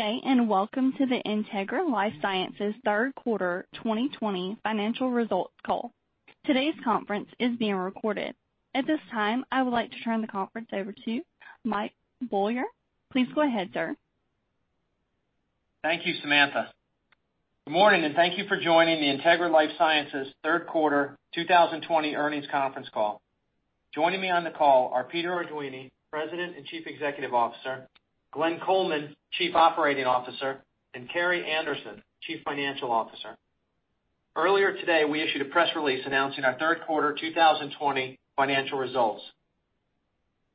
Good day, and welcome to the Integra LifeSciences third quarter 2020 financial results call. Today's conference is being recorded. At this time, I would like to turn the conference over to Mike Beaulieu. Please go ahead, sir. Thank you, Samantha. Good morning, and thank you for joining the Integra LifeSciences third quarter 2020 earnings conference call. Joining me on the call are Peter Arduini, President and Chief Executive Officer, Glenn Coleman, Chief Operating Officer, and Carrie Anderson, Chief Financial Officer. Earlier today, we issued a press release announcing our third quarter 2020 financial results.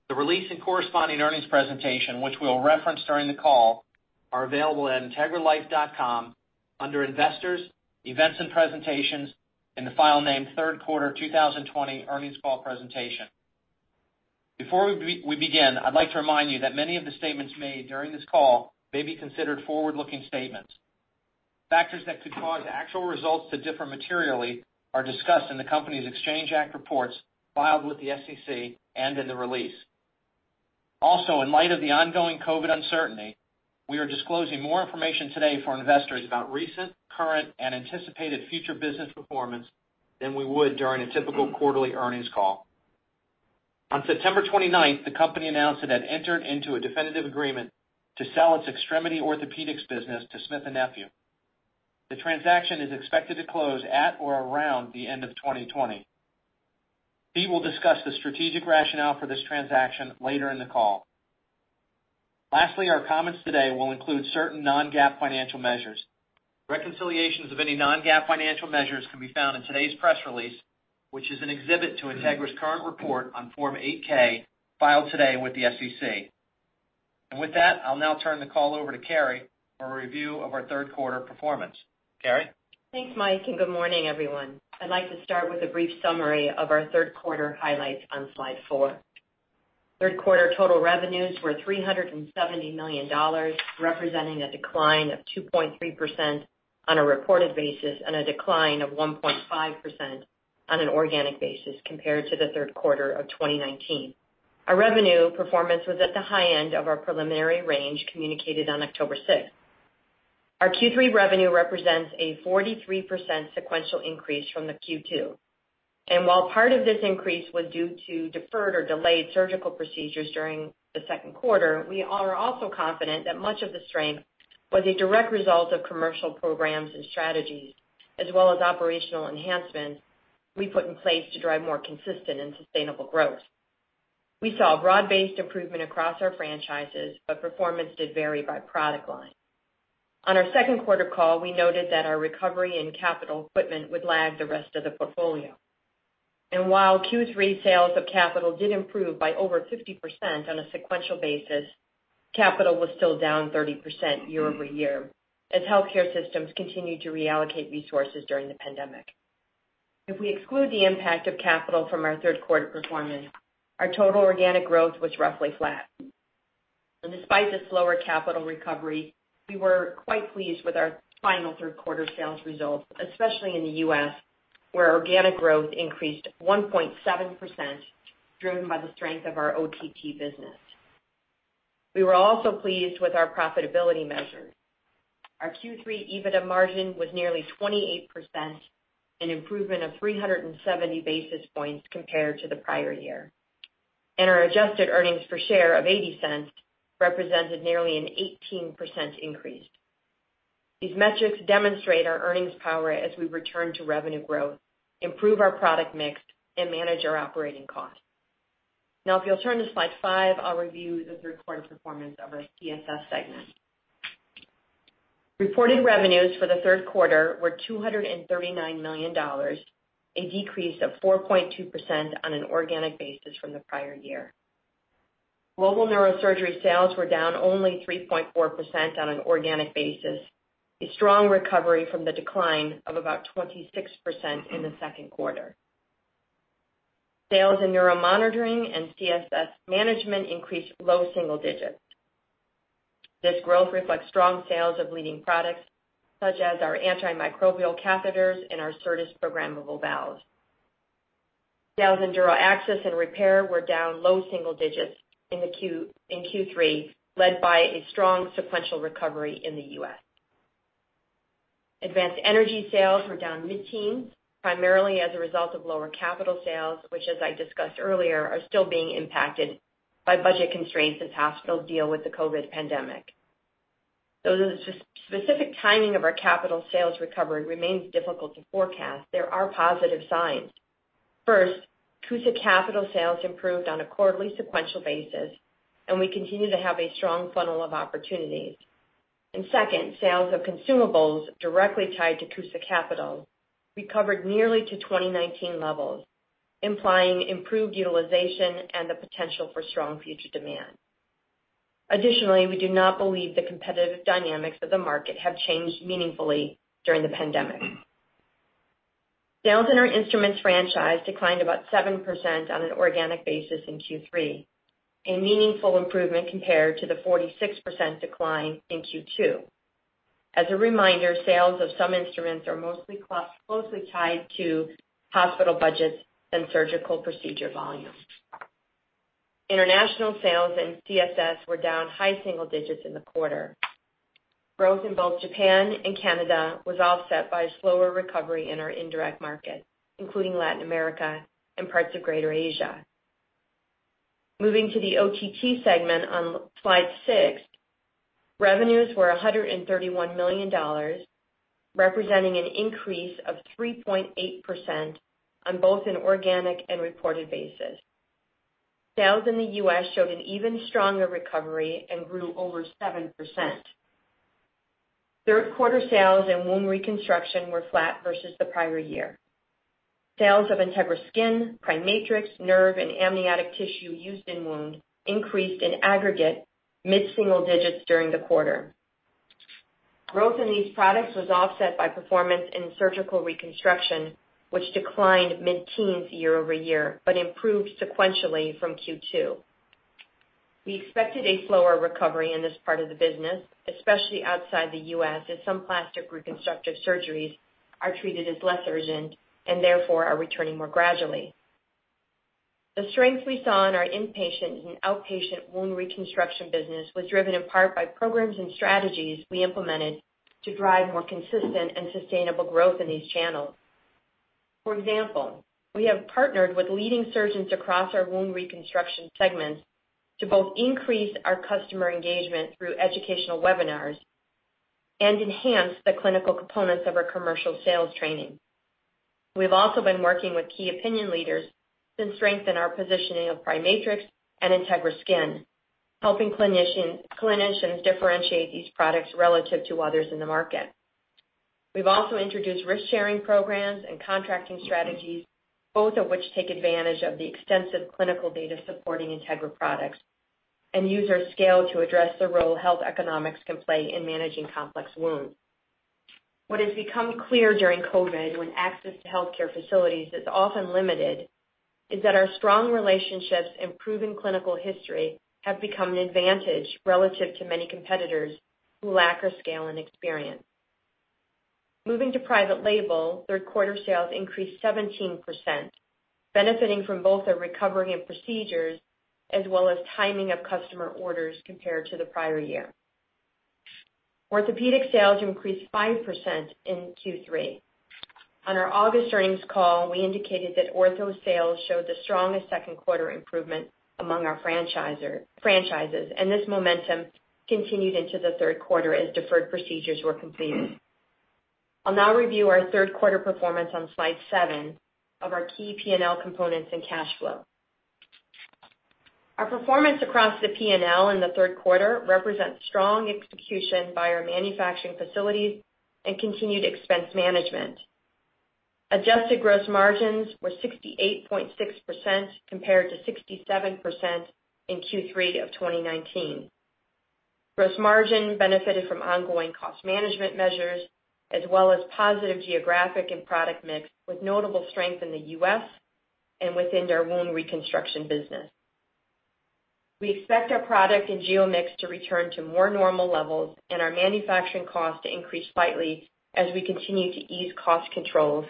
The release and corresponding earnings presentation, which we'll reference during the call, are available at integralife.com under investors, events and presentations, in the file named Third Quarter 2020 Earnings Call Presentation. Before we begin, I'd like to remind you that many of the statements made during this call may be considered forward-looking statements. Factors that could cause actual results to differ materially are discussed in the company's Exchange Act reports filed with the SEC and in the release. Also, in light of the ongoing COVID uncertainty, we are disclosing more information today for investors about recent, current, and anticipated future business performance than we would during a typical quarterly earnings call. On September 29th, the company announced it had entered into a definitive agreement to sell its extremity orthopedics business to Smith+Nephew. The transaction is expected to close at or around the end of 2020. Pete will discuss the strategic rationale for this transaction later in the call. Lastly, our comments today will include certain non-GAAP financial measures. Reconciliations of any non-GAAP financial measures can be found in today's press release, which is an exhibit to Integra's current report on Form 8-K, filed today with the SEC. With that, I'll now turn the call over to Carrie for a review of our third quarter performance. Carrie? Thanks, Mike, and good morning, everyone. I'd like to start with a brief summary of our third quarter highlights on slide four. Third quarter total revenues were $370 million, representing a decline of 2.3% on a reported basis and a decline of 1.5% on an organic basis compared to the third quarter of 2019. Our revenue performance was at the high end of our preliminary range communicated on October 6th. Our Q3 revenue represents a 43% sequential increase from the Q2. While part of this increase was due to deferred or delayed surgical procedures during the second quarter, we are also confident that much of the strength was a direct result of commercial programs and strategies as well as operational enhancements we put in place to drive more consistent and sustainable growth. We saw broad-based improvement across our franchises; performance did vary by product line. On our second quarter call, we noted that our recovery in capital equipment would lag the rest of the portfolio. While Q3 sales of capital did improve by over 50% on a sequential basis, capital was still down 30% year-over-year as healthcare systems continued to reallocate resources during the pandemic. If we exclude the impact of capital from our third-quarter performance, our total organic growth was roughly flat. Despite this slower capital recovery, we were quite pleased with our final third-quarter sales results, especially in the U.S., where organic growth increased 1.7%, driven by the strength of our OTT business. We were also pleased with our profitability measures. Our Q3 EBITDA margin was nearly 28%, an improvement of 370 basis points compared to the prior year. Our adjusted earnings per share of $0.80 represented nearly an 18% increase. These metrics demonstrate our earnings power as we return to revenue growth, improve our product mix, and manage our operating costs. If you'll turn to slide five, I'll review the third quarter performance of our CSS segment. Reported revenues for the third quarter were $239 million, a decrease of 4.2% on an organic basis from the prior year. Global neurosurgery sales were down only 3.4% on an organic basis, a strong recovery from the decline of about 26% in the second quarter. Sales in neuromonitoring and CSS management increased low single digits. This growth reflects strong sales of leading products, such as our antimicrobial catheters and our CERTAS Plus programmable valve. Sales in durable access and repair were down low single digits in Q3, led by a strong sequential recovery in the U.S. Advanced energy sales were down mid-teens, primarily as a result of lower capital sales, which as I discussed earlier, are still being impacted by budget constraints as hospitals deal with the COVID pandemic. Though the specific timing of our capital sales recovery remains difficult to forecast, there are positive signs. First, CUSA capital sales improved on a quarterly sequential basis, and we continue to have a strong funnel of opportunities. Second, sales of consumables directly tied to CUSA capital recovered nearly to 2019 levels, implying improved utilization and the potential for strong future demand. Additionally, we do not believe the competitive dynamics of the market have changed meaningfully during the pandemic. Sales in our instruments franchise declined about 7% on an organic basis in Q3, a meaningful improvement compared to the 46% decline in Q2. As a reminder, sales of some instruments are mostly tied to hospital budgets and surgical procedure volumes. International sales and CSS were down high single digits in the quarter. Growth in both Japan and Canada was offset by a slower recovery in our indirect markets, including Latin America and parts of Greater Asia. Moving to the OTT segment on slide six, revenues were $131 million, representing an increase of 3.8% on both an organic and reported basis. Sales in the U.S. showed an even stronger recovery and grew over 7%. Third quarter sales and wound reconstruction were flat versus the prior year. Sales of Integra Skin, PriMatrix, nerve, and amniotic tissue used in wound increased in aggregate mid-single digits during the quarter. Growth in these products was offset by performance in surgical reconstruction, which declined mid-teens year-over-year but improved sequentially from Q2. We expected a slower recovery in this part of the business, especially outside the U.S., as some plastic reconstructive surgeries are treated as less urgent, therefore, are returning more gradually. The strength we saw in our inpatient and outpatient wound reconstruction business was driven in part by programs and strategies we implemented to drive more consistent and sustainable growth in these channels. For example, we have partnered with leading surgeons across our wound reconstruction segments to both increase our customer engagement through educational webinars and enhance the clinical components of our commercial sales training. We've also been working with key opinion leaders to strengthen our positioning of PriMatrix and Integra Skin, helping clinicians differentiate these products relative to others in the market. We've also introduced risk-sharing programs and contracting strategies, both of which take advantage of the extensive clinical data supporting Integra products and use our scale to address the role health economics can play in managing complex wounds. What has become clear during COVID, when access to healthcare facilities is often limited, is that our strong relationships and proven clinical history have become an advantage relative to many competitors who lack our scale and experience. Moving to private label, third quarter sales increased 17%, benefiting from both a recovery of procedures as well as timing of customer orders compared to the prior year. Orthopedic sales increased 5% in Q3. On our August earnings call, we indicated that ortho sales showed the strongest second quarter improvement among our franchises, and this momentum continued into the third quarter as deferred procedures were completed. I'll now review our third quarter performance on slide seven of our key P&L components and cash flow. Our performance across the P&L in the third quarter represents strong execution by our manufacturing facilities and continued expense management. Adjusted gross margins were 68.6% compared to 67% in Q3 of 2019. Gross margin benefited from ongoing cost management measures as well as positive geographic and product mix, with notable strength in the U.S. and within our wound reconstruction business. We expect our product and geo mix to return to more normal levels and our manufacturing cost to increase slightly as we continue to ease cost controls,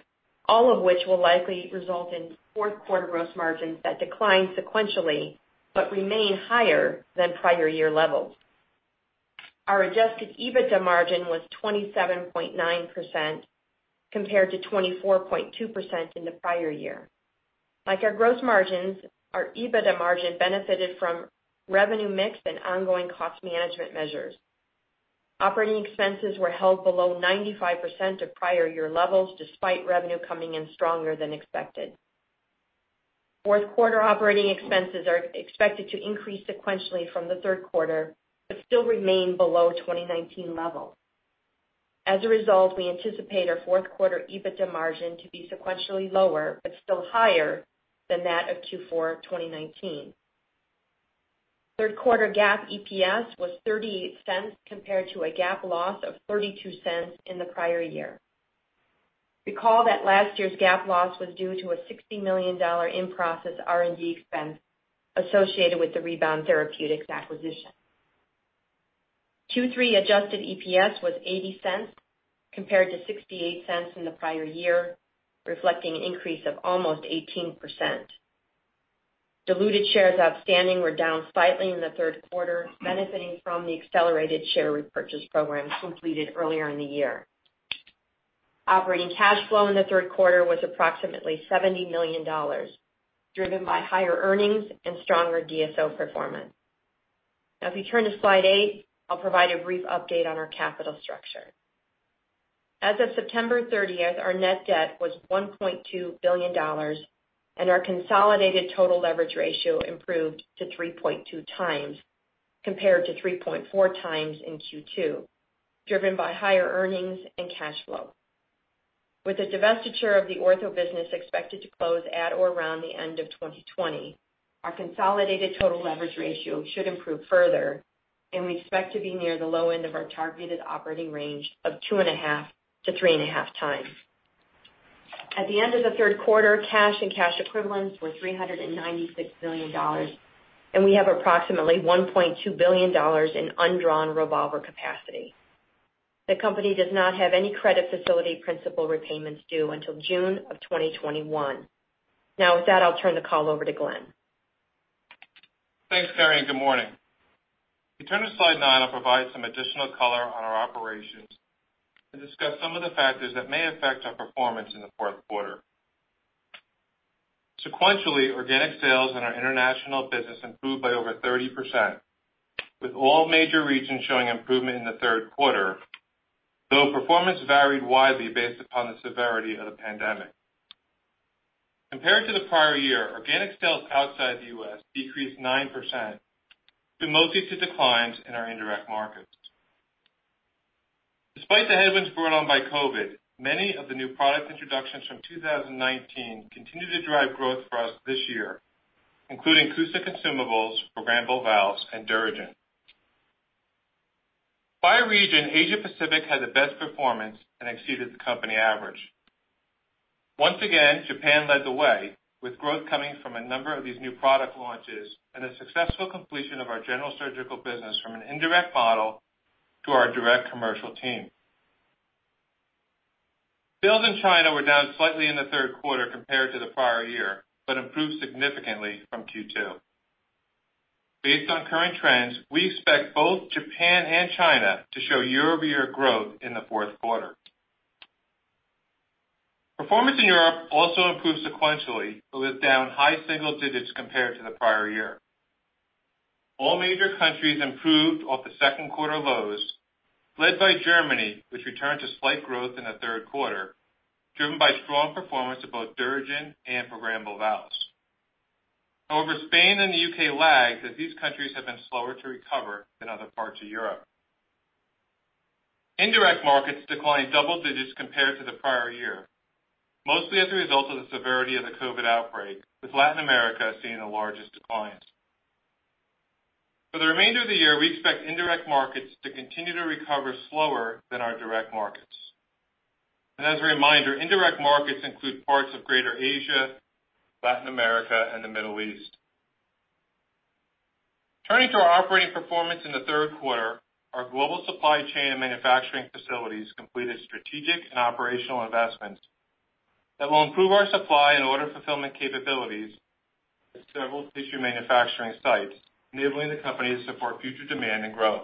all of which will likely result in fourth quarter gross margins that decline sequentially but remain higher than prior year levels. Our adjusted EBITDA margin was 27.9% compared to 24.2% in the prior year. Like our gross margins, our EBITDA margin benefited from revenue mix and ongoing cost management measures. Operating expenses were held below 95% of prior year levels, despite revenue coming in stronger than expected. Fourth quarter operating expenses are expected to increase sequentially from the third quarter but still remain below 2019 levels. As a result, we anticipate our fourth quarter EBITDA margin to be sequentially lower, but still higher than that of Q4 2019. Third quarter GAAP EPS was $0.38 compared to a GAAP loss of $0.32 in the prior year. Recall that last year's GAAP loss was due to a $60 million in-process R&D expense associated with the Rebound Therapeutics acquisition. Q3 adjusted EPS was $0.80 compared to $0.68 in the prior year, reflecting an increase of almost 18%. Diluted shares outstanding were down slightly in the third quarter, benefiting from the accelerated share repurchase program completed earlier in the year. Operating cash flow in the third quarter was approximately $70 million, driven by higher earnings and stronger DSO performance. As we turn to slide eight, I'll provide a brief update on our capital structure. As of September 30th, our net debt was $1.2 billion, and our consolidated total leverage ratio improved to 3.2 times compared to 3.4 times in Q2, driven by higher earnings and cash flow. With the divestiture of the ortho business expected to close at or around the end of 2020, our consolidated total leverage ratio should improve further, and we expect to be near the low end of our targeted operating range of 2.5 to 3.5 times. At the end of the third quarter, cash and cash equivalents were $396 million, and we have approximately $1.2 billion in undrawn revolver capacity. The company does not have any credit facility principal repayments due until June of 2021. Now, with that, I'll turn the call over to Glenn. Thanks, Carrie, and good morning. If you turn to slide nine, I'll provide some additional color on our operations and discuss some of the factors that may affect our performance in the fourth quarter. Sequentially, organic sales in our international business improved by over 30%, with all major regions showing improvement in the third quarter, though performance varied widely based upon the severity of the pandemic. Compared to the prior year, organic sales outside the U.S. decreased 9%, due mostly to declines in our indirect markets. Despite the headwinds brought on by COVID, many of the new product introductions from 2019 continue to drive growth for us this year, including CUSA consumables for programmable valves and DuraGen. By region, Asia Pacific had the best performance and exceeded the company average. Once again, Japan led the way with growth coming from a number of these new product launches and the successful completion of our general surgical business from an indirect model to our direct commercial team. Sales in China were down slightly in the third quarter compared to the prior year but improved significantly from Q2. Based on current trends, we expect both Japan and China to show year-over-year growth in the fourth quarter. Performance in Europe also improved sequentially but was down high single digits compared to the prior year. All major countries improved off the second quarter lows, led by Germany, which returned to slight growth in the third quarter, driven by strong performance of both DuraGen and programmable valves. However, Spain and the U.K. lagged as these countries have been slower to recover than other parts of Europe. Indirect markets declined double digits compared to the prior year, mostly as a result of the severity of the COVID outbreak, with Latin America seeing the largest declines. For the remainder of the year, we expect indirect markets to continue to recover slower than our direct markets. As a reminder, indirect markets include parts of Greater Asia, Latin America, and the Middle East. Turning to our operating performance in the third quarter, our global supply chain and manufacturing facilities completed strategic and operational investments that will improve our supply and order fulfillment capabilities at several tissue manufacturing sites, enabling the company to support future demand and growth.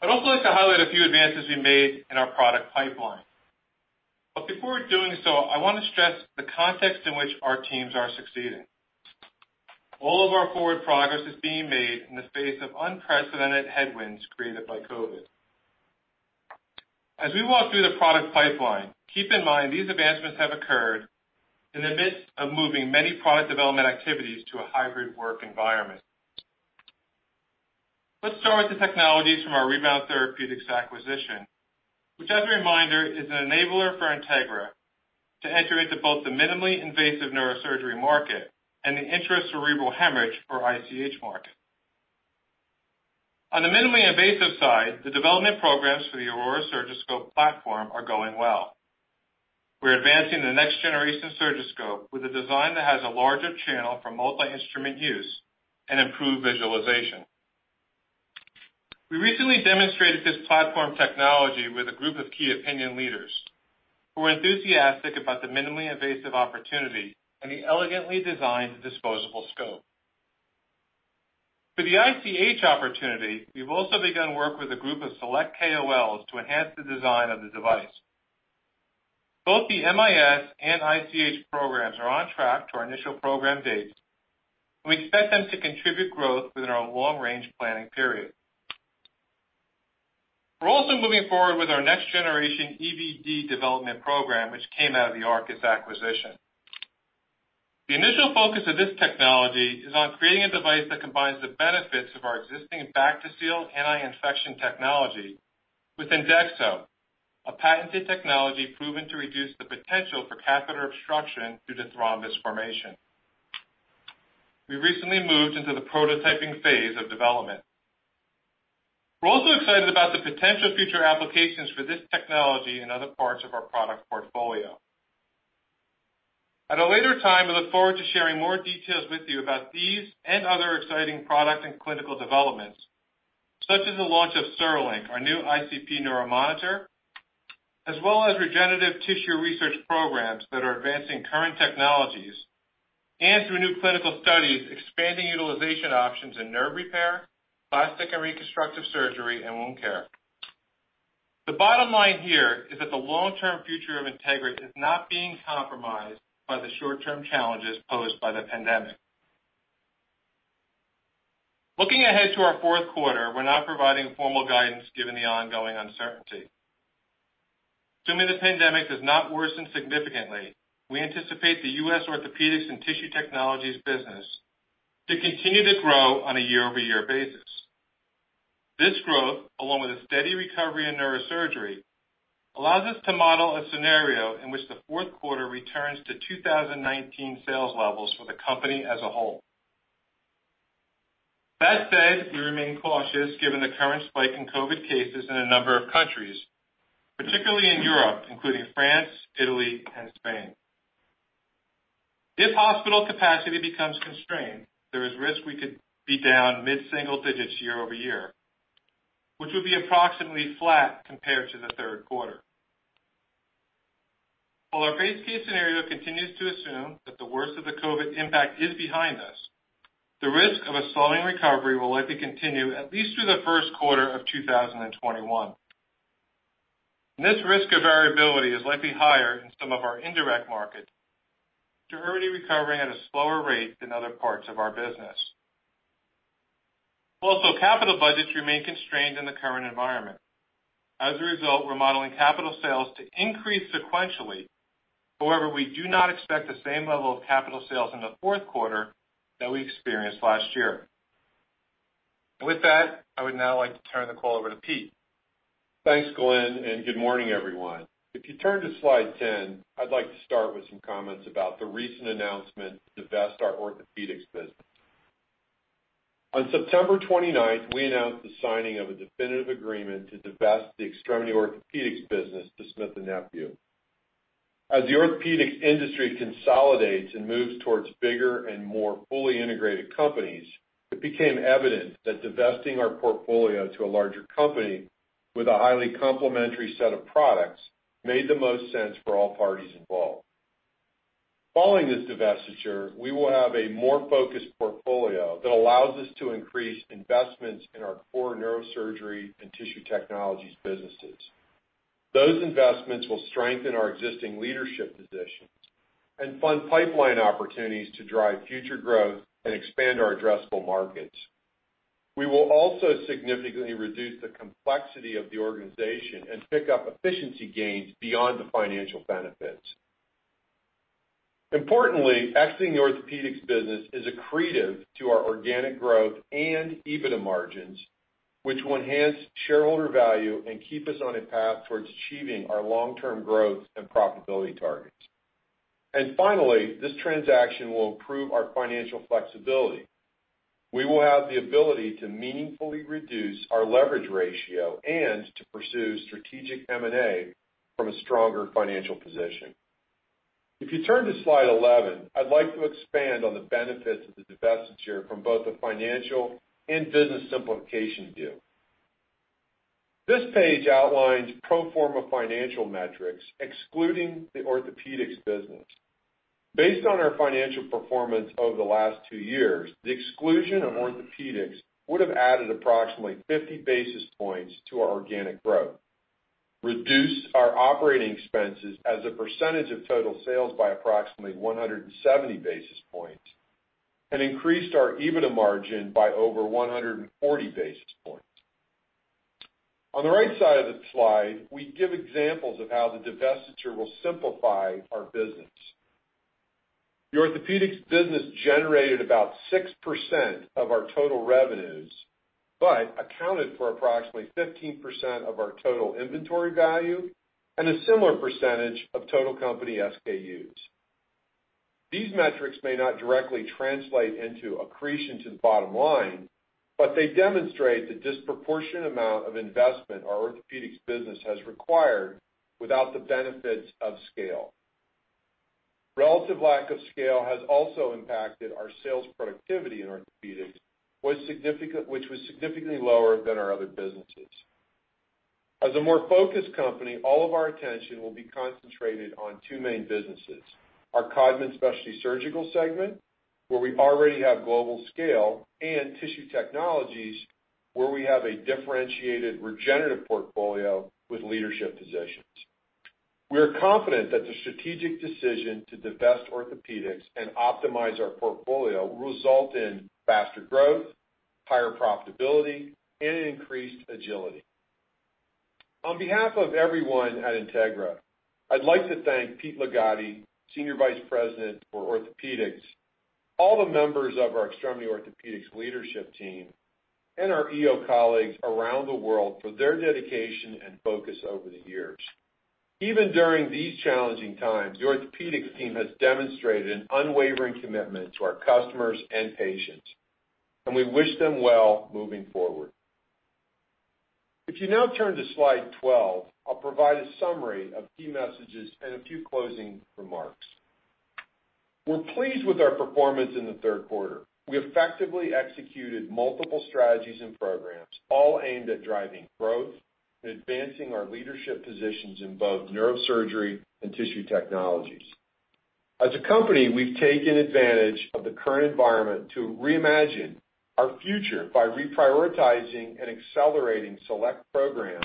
I'd also like to highlight a few advances we made in our product pipeline. Before doing so, I want to stress the context in which our teams are succeeding. All of our forward progress is being made in the face of unprecedented headwinds created by COVID. As we walk through the product pipeline, keep in mind these advancements have occurred in the midst of moving many product development activities to a hybrid work environment. Let's start with the technologies from our Rebound Therapeutics acquisition, which as a reminder, is an enabler for Integra to enter into both the minimally invasive neurosurgery market and the intracerebral hemorrhage, or ICH, market. On the minimally invasive side, the development programs for the Aurora SurgiScope platform are going well. We're advancing the next generation Surgiscope with a design that has a larger channel for multi-instrument use and improved visualization. We recently demonstrated this platform technology with a group of key opinion leaders who were enthusiastic about the minimally invasive opportunity and the elegantly designed disposable scope. For the ICH opportunity, we've also begun work with a group of select KOLs to enhance the design of the device. Both the MIS and ICH programs are on track to our initial program dates. We expect them to contribute growth within our long-range planning period. We're also moving forward with our next-generation EVD development program, which came out of the Arkis acquisition. The initial focus of this technology is on creating a device that combines the benefits of our existing Bactiseal anti-infection technology with Endexo, a patented technology proven to reduce the potential for catheter obstruction due to thrombus formation. We recently moved into the prototyping phase of development. We're also excited about the potential future applications for this technology in other parts of our product portfolio. At a later time, we look forward to sharing more details with you about these and other exciting product and clinical developments, such as the launch of CereLink, our new ICP neuro monitor, as well as regenerative tissue research programs that are advancing current technologies and, through new clinical studies, expanding utilization options in nerve repair, plastic and reconstructive surgery, and wound care. The bottom line here is that the long-term future of Integra is not being compromised by the short-term challenges posed by the pandemic. Looking ahead to our fourth quarter, we're not providing formal guidance given the ongoing uncertainty. Assuming the pandemic does not worsen significantly, we anticipate the U.S. orthopedics and tissue technologies business to continue to grow on a year-over-year basis. This growth, along with a steady recovery in neurosurgery, allows us to model a scenario in which the fourth quarter returns to 2019 sales levels for the company as a whole. That said, we remain cautious given the current spike in COVID cases in a number of countries, particularly in Europe, including France, Italy, and Spain. If hospital capacity becomes constrained, there is a risk we could be down mid-single digits year-over-year, which will be approximately flat compared to the third quarter. While our base case scenario continues to assume that the worst of the COVID impact is behind us, the risk of a slowing recovery will likely continue at least through the first quarter of 2021. This risk of variability is likely higher in some of our indirect markets, which are already recovering at a slower rate than other parts of our business. Also, capital budgets remain constrained in the current environment. As a result, we're modeling capital sales to increase sequentially. However, we do not expect the same level of capital sales in the fourth quarter that we experienced last year. With that, I would now like to turn the call over to Pete. Thanks, Glenn. Good morning, everyone. If you turn to slide 10, I'd like to start with some comments about the recent announcement to divest our orthopedics business. On September 29th, we announced the signing of a definitive agreement to divest the Extremity Orthopedics Business to Smith+Nephew. As the orthopedics industry consolidates and moves towards bigger and more fully integrated companies, it became evident that divesting our portfolio to a larger company with a highly complementary set of products made the most sense for all parties involved. Following this divestiture, we will have a more focused portfolio that allows us to increase investments in our core Neurosurgery and Tissue Technologies businesses. Those investments will strengthen our existing leadership positions and fund pipeline opportunities to drive future growth and expand our addressable markets. We will also significantly reduce the complexity of the organization and pick up efficiency gains beyond the financial benefits. Importantly, exiting the orthopedics business is accretive to our organic growth and EBITDA margins, which will enhance shareholder value and keep us on a path towards achieving our long-term growth and profitability targets. Finally, this transaction will improve our financial flexibility. We will have the ability to meaningfully reduce our leverage ratio and to pursue strategic M&A from a stronger financial position. If you turn to slide 11, I'd like to expand on the benefits of the divestiture from both the financial and business simplification view. This page outlines pro forma financial metrics excluding the orthopedics business. Based on our financial performance over the last two years, the exclusion of orthopedics would've added approximately 50 basis points to our organic growth, reduced our operating expenses as a percentage of total sales by approximately 170 basis points, and increased our EBITDA margin by over 140 basis points. On the right side of the slide, we give examples of how the divestiture will simplify our business. The orthopedics business generated about 6% of our total revenues but accounted for approximately 15% of our total inventory value and a similar percentage of total company SKUs. These metrics may not directly translate into accretion to the bottom line, but they demonstrate the disproportionate amount of investment our orthopedics business has required without the benefits of scale. Relative lack of scale has also impacted our sales productivity in orthopedics, which was significantly lower than our other businesses. As a more focused company, all of our attention will be concentrated on two main businesses, our Codman Specialty Surgical segment, where we already have global scale, and tissue technologies, where we have a differentiated regenerative portfolio with leadership positions. We are confident that the strategic decision to divest orthopedics and optimize our portfolio will result in faster growth, higher profitability, and an increased agility. On behalf of everyone at Integra, I'd like to thank Pete Ligotti, Senior Vice President for Orthopedics, all the members of our Extremity Orthopedics leadership team, and our EO colleagues around the world for their dedication and focus over the years. Even during these challenging times, the orthopedics team has demonstrated an unwavering commitment to our customers and patients, and we wish them well moving forward. If you now turn to slide 12, I'll provide a summary of key messages and a few closing remarks. We're pleased with our performance in the third quarter. We effectively executed multiple strategies and programs, all aimed at driving growth and advancing our leadership positions in both neurosurgery and tissue technologies. As a company, we've taken advantage of the current environment to reimagine our future by reprioritizing and accelerating select programs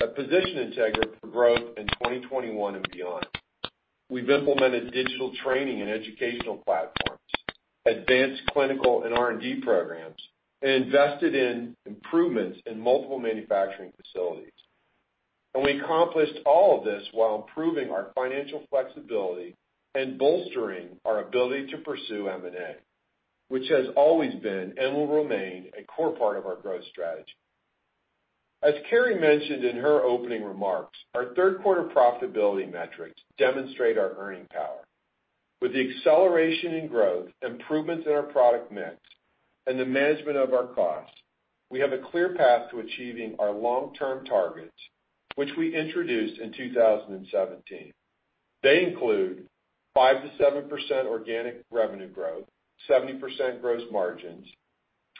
that position Integra for growth in 2021 and beyond. We've implemented digital training and educational platforms, advanced clinical and R&D programs, and invested in improvements in multiple manufacturing facilities. We accomplished all of this while improving our financial flexibility and bolstering our ability to pursue M&A, which has always been and will remain a core part of our growth strategy. As Carrie mentioned in her opening remarks, our third quarter profitability metrics demonstrate our earning power. With the acceleration in growth, improvements in our product mix, and the management of our costs. We have a clear path to achieving our long-term targets, which we introduced in 2017. They include 5%-7% organic revenue growth, 70% gross margins,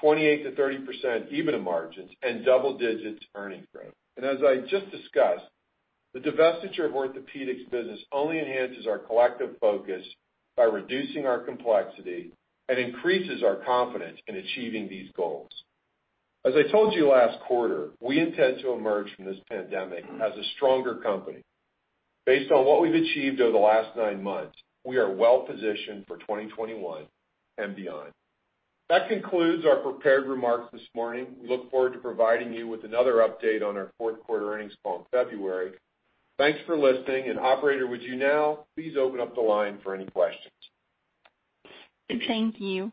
28%-30% EBITDA margins, and double-digit earnings growth. As I just discussed, the divestiture of orthopedics business only enhances our collective focus by reducing our complexity and increases our confidence in achieving these goals. As I told you last quarter, we intend to emerge from this pandemic as a stronger company. Based on what we've achieved over the last nine months, we are well-positioned for 2021 and beyond. That concludes our prepared remarks this morning. We look forward to providing you with another update on our fourth quarter earnings call in February. Thanks for listening. Operator, would you now please open up the line for any questions? Thank you.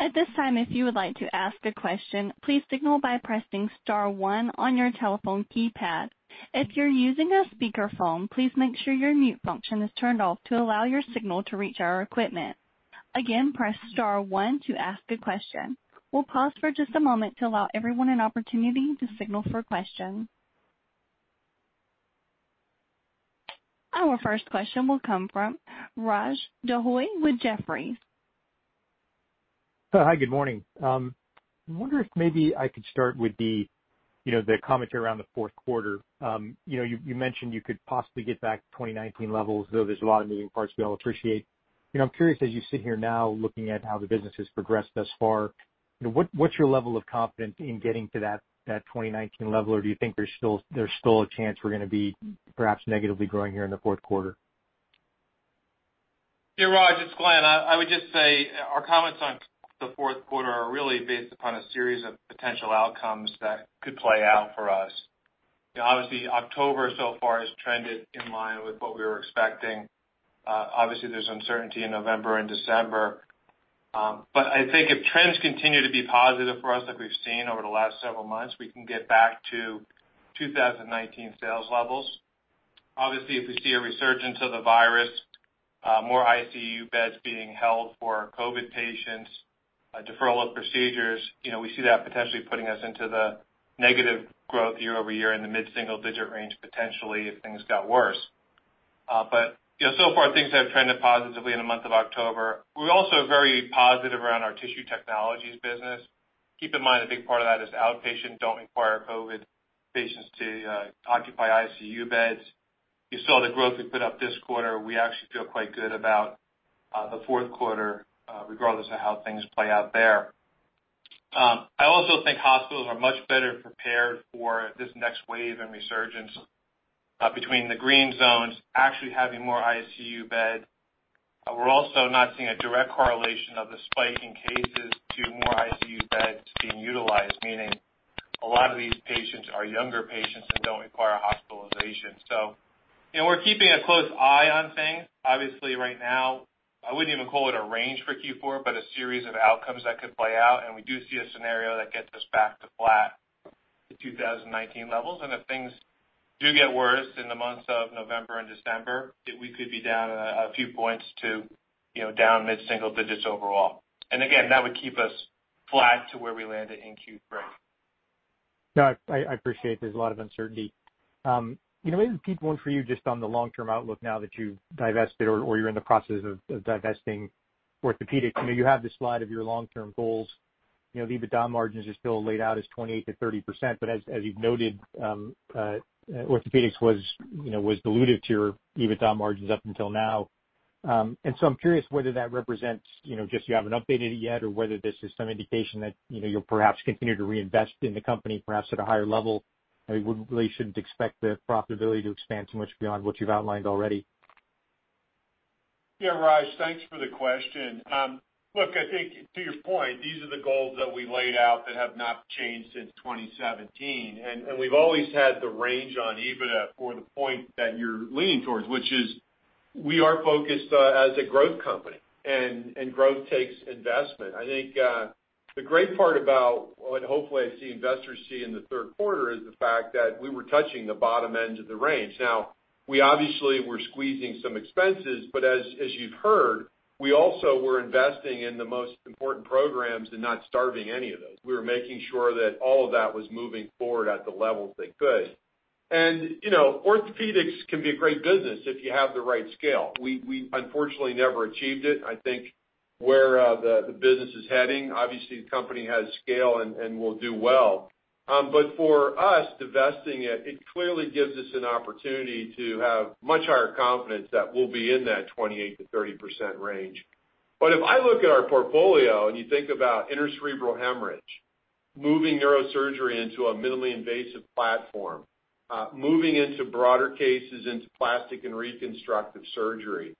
At this time, if you would like to ask a question, please signal by pressing star one on your telephone keypad. If you're using a speakerphone, please make sure your mute function is turned off to allow your signal to reach our equipment. Again, press star one to ask a question. We'll pause for just a moment to allow everyone an opportunity to signal for questions. Our first question will come from Raj Denhoy with Jefferies. Hi, good morning. I wonder if maybe I could start with the commentary around the fourth quarter. You mentioned you could possibly get back to 2019 levels, though there's a lot of moving parts we all appreciate. I'm curious, as you sit here now looking at how the business has progressed thus far, what's your level of confidence in getting to that 2019 level? Or do you think there's still a chance we're going to be perhaps negatively growing here in the fourth quarter? Yeah, Raj, it's Glenn. I would just say our comments on the fourth quarter are really based upon a series of potential outcomes that could play out for us. Obviously, October so far has trended in line with what we were expecting. Obviously, there's uncertainty in November and December. I think if trends continue to be positive for us that we've seen over the last several months, we can get back to 2019 sales levels. Obviously, if we see a resurgence of the virus, more ICU beds being held for COVID patients, and deferral of procedures, we see that potentially putting us into the negative growth year-over-year in the mid-single-digit range, potentially, if things got worse. So far things have trended positively in the month of October. We're also very positive around our tissue technologies business. Keep in mind, a big part of that is outpatient don't require COVID patients to occupy ICU beds. You saw the growth we put up this quarter. We actually feel quite good about the fourth quarter, regardless of how things play out there. I also think hospitals are much better prepared for this next wave and resurgence between the green zones actually having more ICU beds. We're also not seeing a direct correlation of the spike in cases to more ICU beds being utilized, meaning a lot of these patients are younger patients that don't require hospitalization. We're keeping a close eye on things. Obviously, right now, I wouldn't even call it a range for Q4, but a series of outcomes that could play out, and we do see a scenario that gets us back to flat to 2019 levels. If things do get worse in the months of November and December, we could be down a few points to down mid-single digits overall. Again, that would keep us flat to where we landed in Q3. No, I appreciate there's a lot of uncertainty. Maybe Pete, one for you just on the long-term outlook now that you've divested or you're in the process of divesting orthopedics. You have this slide of your long-term goals. The EBITDA margins are still laid out as 28%-30%, but as you've noted, orthopedics was dilutive to your EBITDA margins up until now. I'm curious whether that represents just you haven't updated it yet or whether this is some indication that you'll perhaps continue to reinvest in the company, perhaps at a higher level. We really shouldn't expect the profitability to expand too much beyond what you've outlined already. Yeah, Raj, thanks for the question. Look, I think to your point, these are the goals that we laid out that have not changed since 2017. We've always had the range on EBITDA for the point that you're leaning towards, which is we are focused as a growth company, and growth takes investment. I think the great part about what hopefully I see investors see in the third quarter is the fact that we were touching the bottom end of the range. Now, we obviously were squeezing some expenses, but as you've heard, we also were investing in the most important programs and not starving any of those. We were making sure that all of that was moving forward at the levels they could. Orthopedics can be a great business if you have the right scale. We unfortunately never achieved it. I think where the business is heading, obviously, the company has scale and will do well. For us, divesting it clearly gives us an opportunity to have much higher confidence that we'll be in that 28%-30% range. If I look at our portfolio and you think about intracerebral hemorrhage, moving neurosurgery into a minimally invasive platform, moving into broader cases into plastic and reconstructive surgery,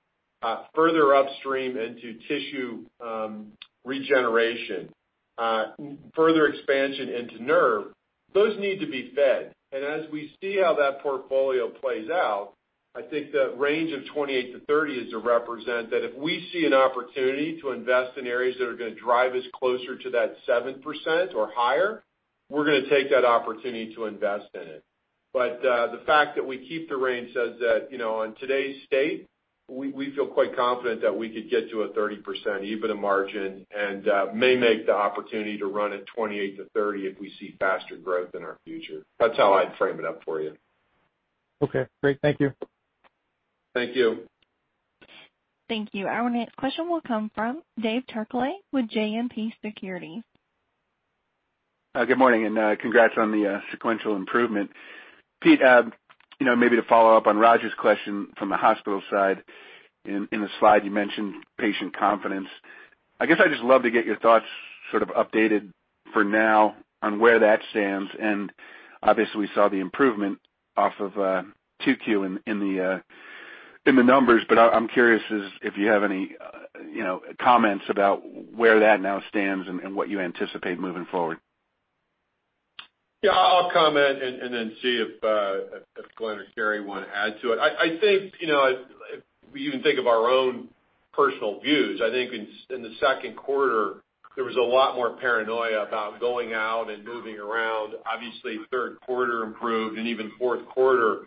further upstream into tissue regeneration, further expansion into nerve, those need to be fed. As we see how that portfolio plays out, I think the range of 28%-30% is to represent that if we see an opportunity to invest in areas that are going to drive us closer to that 7% or higher, we're going to take that opportunity to invest in it. The fact that we keep the range says that, on today's state, we feel quite confident that we could get to a 30% EBITDA margin and may make the opportunity to run at 28%-30% if we see faster growth in our future. That's how I'd frame it up for you. Okay, great. Thank you. Thank you. Thank you. Our next question will come from Dave Turkaly with JMP Securities. Good morning, congrats on the sequential improvement. Pete, maybe to follow up on Raj's question from the hospital side. In the slide you mentioned patient confidence. I guess I'd just love to get your thoughts sort of updated for now on where that stands, and obviously we saw the improvement off of 2Q in the numbers. I'm curious if you have any comments about where that now stands and what you anticipate moving forward. Yeah, I'll comment and then see if Glenn or Carrie want to add to it. I think, if we even think of our own personal views, I think in the second quarter, there was a lot more paranoia about going out and moving around. Obviously, the third quarter improved, and even the fourth quarter.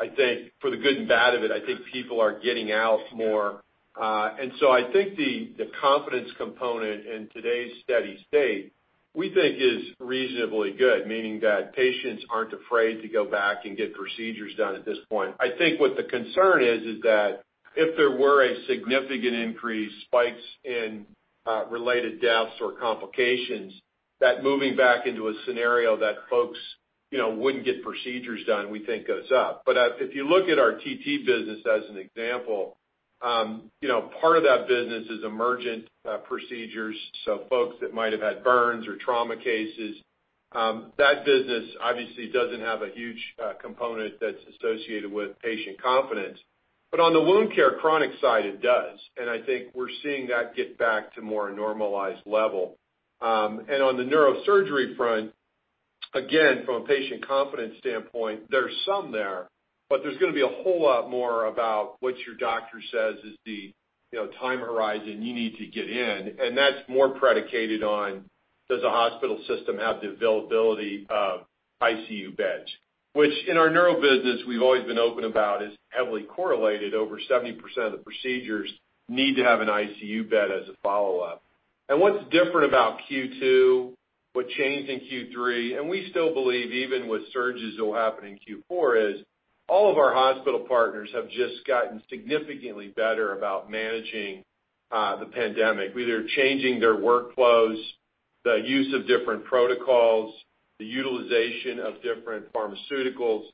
I think for the good and bad of it, I think people are getting out more. I think the confidence component in today's steady state, we think, is reasonably good, meaning that patients aren't afraid to go back and get procedures done at this point. I think what the concern is is that if there were a significant increase in spikes in related deaths or complications, that moving back into a scenario that folks wouldn't get procedures done, we think, goes up. If you look at our TT business as an example, part of that business is emergent procedures, so folks that might have had burns or trauma cases. That business obviously doesn't have a huge component that's associated with patient confidence. On the wound care chronic side, it does. I think we're seeing that get back to more a normalized level. On the neurosurgery front, again, from a patient confidence standpoint, there's some there, but there's going to be a whole lot more about what your doctor says is the time horizon you need to get in. That's more predicated on, does a hospital system have the availability of ICU beds? Which, in our neuro business, we've always been open about is heavily correlated. Over 70% of the procedures need to have an ICU bed as a follow-up. What's different about Q2? what changed in Q3? and we still believe, even with surges that will happen in Q4, is all of our hospital partners have just gotten significantly better about managing the pandemic, be they're changing their workflows, the use of different protocols, the utilization of different pharmaceuticals.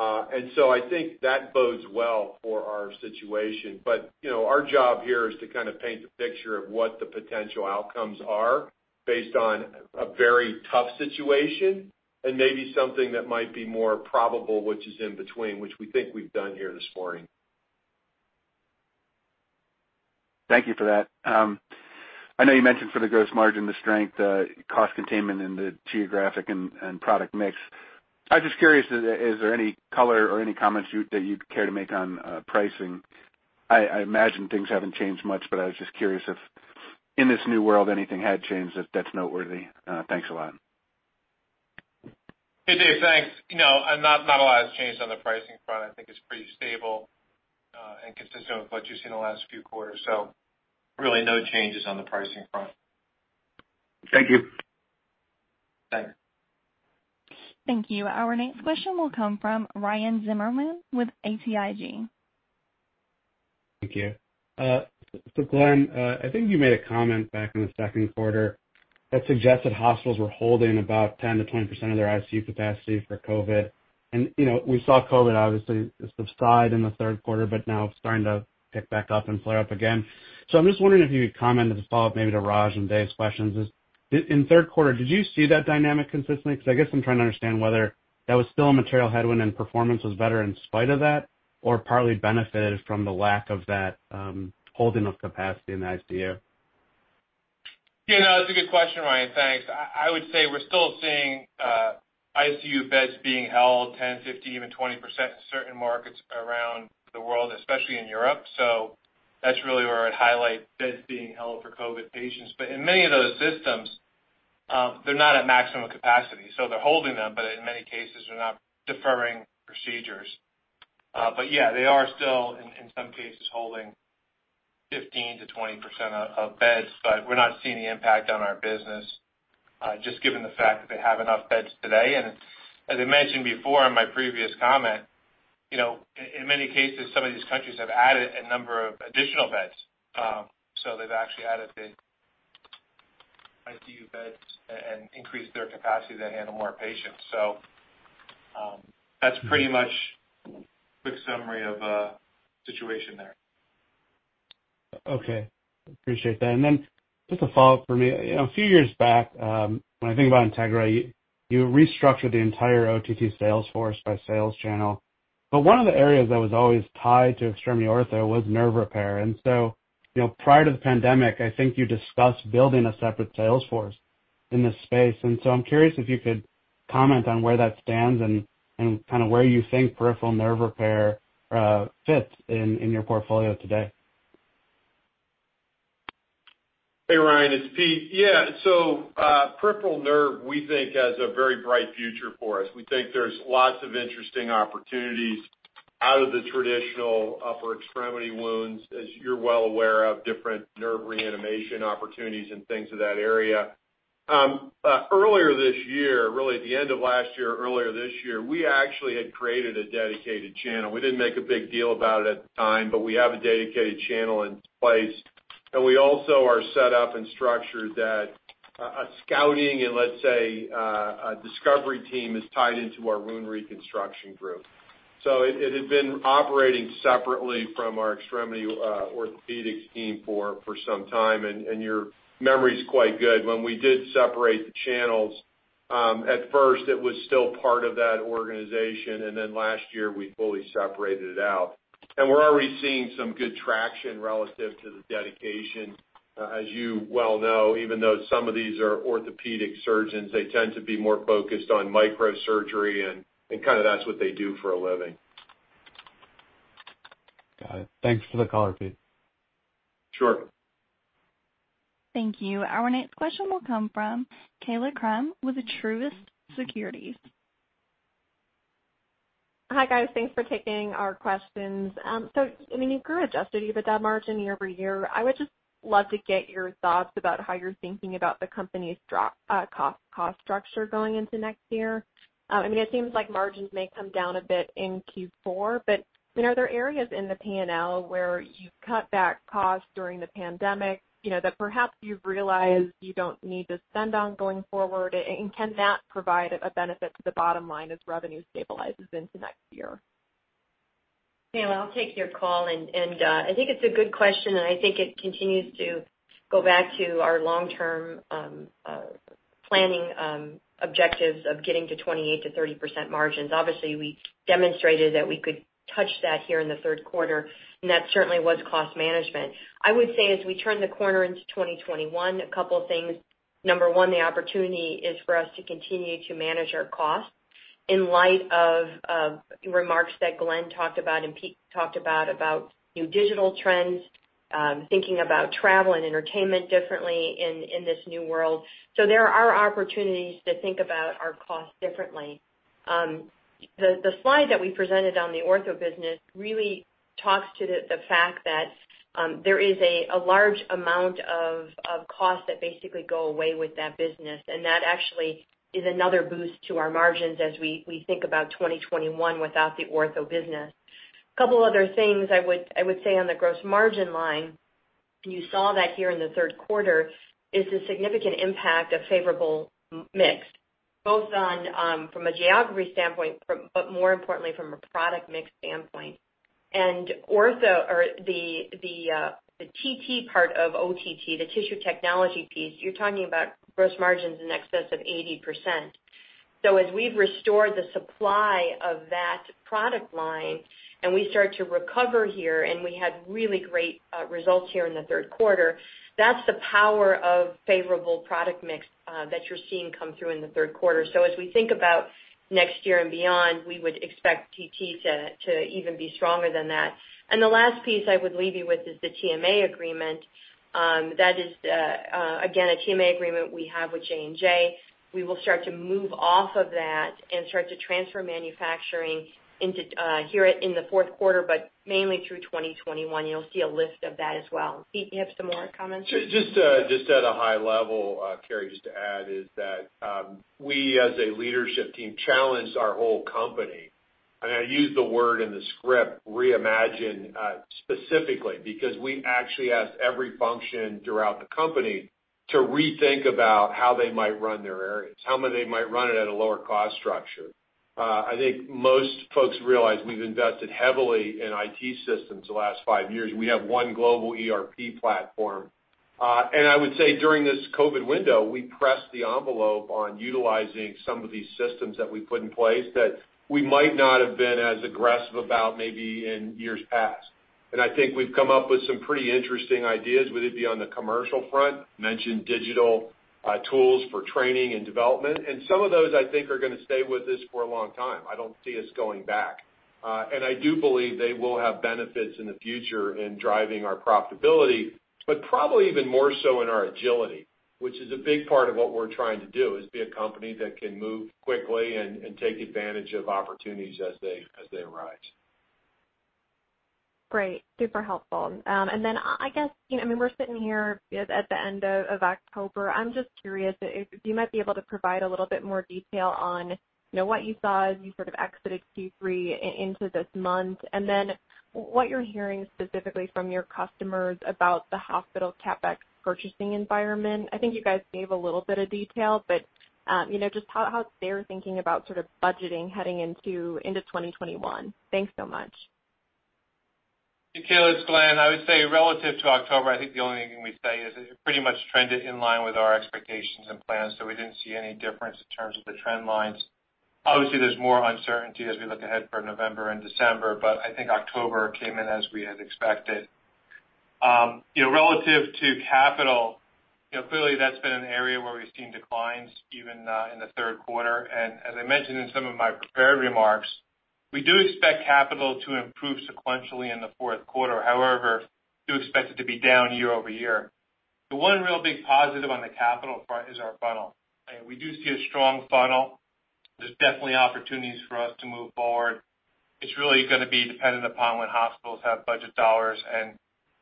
I think that bodes well for our situation. Our job here is to kind of paint the picture of what the potential outcomes are based on a very tough situation and maybe something that might be more probable, which is in between, which we think we've done here this morning. Thank you for that. I know you mentioned for the gross margin, the strength, cost containment, and the geographic and product mix. I was just curious; is there any color or any comments that you'd care to make on pricing? I imagine things haven't changed much, but I was just curious if in this new world anything had changed that's noteworthy. Thanks a lot. Hey, Dave. Thanks. Not a lot has changed on the pricing front. I think it's pretty stable and consistent with what you've seen in the last few quarters. Really no changes on the pricing front. Thank you. Thanks. Thank you. Our next question will come from Ryan Zimmerman with BTIG. Thank you. Glenn, I think you made a comment back in the second quarter that suggested hospitals were holding about 10%-20% of their ICU capacity for COVID. We saw COVID obviously subside in the third quarter, but now it's starting to pick back up and flare up again. I'm just wondering if you could comment as a follow-up maybe to Raj and Dave's questions. In the third quarter, did you see that dynamic consistently? I guess I'm trying to understand whether that was still a material headwind and performance was better in spite of that, or partly benefited from the lack of that holding of capacity in the ICU. That's a good question, Ryan, thanks. I would say we're still seeing ICU beds being held 10%, 15%, even 20% in certain markets around the world, especially in Europe. That's really where I'd highlight beds being held for COVID patients. In many of those systems, they're not at maximum capacity. They're holding them; in many cases, they're not deferring procedures. Yeah, they are still, in some cases, holding 15%-20% of beds; we're not seeing the impact on our business just given the fact that they have enough beds today. As I mentioned before in my previous comment, in many cases, some of these countries have added a number of additional beds. They've actually added the ICU beds and increased their capacity to handle more patients. That's pretty much a quick summary of the situation there. Okay. Appreciate that. Just a follow-up for me. A few years back, when I think about Integra, you restructured the entire OTT sales force by sales channel. One of the areas that was always tied to Extremity Orthopedics was nerve repair. Prior to the pandemic, I think you discussed building a separate sales force in this space. I'm curious if you could comment on where that stands and kind of where you think peripheral nerve repair fits in your portfolio today. Hey, Ryan, it's Pete. Yeah. Peripheral nerve, we think, has a very bright future for us. We think there's lots of interesting opportunities out of the traditional upper extremity wounds, as you're well aware of, different nerve reanimation opportunities, and things of that area. Earlier this year, really at the end of last year, earlier this year, we actually had created a dedicated channel. We didn't make a big deal about it at the time, but we have a dedicated channel in place, and we also are set up and structured that a scouting and, let's say, a discovery team is tied into our wound reconstruction group. It had been operating separately from our Extremity Orthopedics team for some time, and your memory is quite good. When we did separate the channels, at first it was still part of that organization, and then last year, we fully separated it out. We're already seeing some good traction relative to the dedication. As you well know, even though some of these are orthopedic surgeons, they tend to be more focused on microsurgery, and that's what they do for a living. Got it. Thanks for the color, Pete. Sure. Thank you. Our next question will come from Kaila Krum with Truist Securities. Hi, guys. Thanks for taking our questions. You grew adjusted EBITDA margin year-over-year. I would just love to get your thoughts about how you're thinking about the company's cost structure going into next year. It seems like margins may come down a bit in Q4, but are there areas in the P&L where you've cut back costs during the pandemic that perhaps you've realized you don't need to spend on going forward? Can that provide a benefit to the bottom line as revenue stabilizes into next year? Kaila, I'll take your call, and I think it's a good question, and I think it continues to go back to our long-term planning objectives of getting to 28%-30% margins. Obviously, we demonstrated that we could touch that here in the third quarter, and that certainly was cost management. I would say, as we turn the corner into 2021, a couple of things. Number one, the opportunity is for us to continue to manage our costs in light of remarks that Glenn talked about and Pete talked about new digital trends, thinking about travel and entertainment differently in this new world. There are opportunities to think about our costs differently. The slide that we presented on the ortho business really talks to the fact that there is a large amount of costs that basically go away with that business, and that actually is another boost to our margins as we think about 2021 without the ortho business. A couple other things I would say on the gross margin line, you saw that here in the third quarter, is the significant impact of favorable mix, both from a geography standpoint, but more importantly from a product mix standpoint. The TT part of OTT, the tissue technology piece, you're talking about gross margins in excess of 80%. As we've restored the supply of that product line and we start to recover here, and we had really great results here in the third quarter, that's the power of favorable product mix that you're seeing come through in the third quarter. As we think about next year and beyond, we would expect TT to even be stronger than that. The last piece I would leave you with is the TMA agreement. That is, again, a TSA agreement we have with J&J. We will start to move off of that and start to transfer manufacturing here in the fourth quarter, but mainly through 2021. You'll see a list of that as well. Pete, you have some more comments? Just at a high level, Carrie, just to add, is that we, as a leadership team, challenged our whole company, and I use the word in the script, "reimagine," specifically because we actually asked every function throughout the company to rethink about how they might run their areas, how they might run it at a lower cost structure. I think most folks realize we've invested heavily in IT systems the last five years. We have one global ERP platform. I would say during this COVID window, we pressed the envelope on utilizing some of these systems that we put in place that we might not have been as aggressive about maybe in years past. I think we've come up with some pretty interesting ideas, whether it be on the commercial front, mentioned digital tools for training and development. Some of those, I think, are going to stay with us for a long time. I don't see us going back. I do believe they will have benefits in the future in driving our profitability, but probably even more so in our agility, which is a big part of what we're trying to do, is be a company that can move quickly and take advantage of opportunities as they arise. Great. Super helpful. I guess we're sitting here at the end of October. I'm just curious if you might be able to provide a little bit more detail on what you saw as you sort of exited Q3 into this month, and then what you're hearing specifically from your customers about the hospital CapEx purchasing environment. I think you guys gave a little bit of detail, but just how they're thinking about sort of budgeting heading into 2021. Thanks so much. Hey, Kaila, it's Glenn. I would say relative to October, I think the only thing we'd say is it pretty much trended in line with our expectations and plans, so we didn't see any difference in terms of the trend lines. Obviously, there's more uncertainty as we look ahead for November and December, but I think October came in as we had expected. Relative to capital, clearly that's been an area where we've seen declines even in the third quarter. As I mentioned in some of my prepared remarks We do expect capital to improve sequentially in the fourth quarter. We do expect it to be down year-over-year. The one real big positive on the capital front is our funnel. We do see a strong funnel. There's definitely opportunities for us to move forward. It's really going to be dependent upon when hospitals have budget dollars and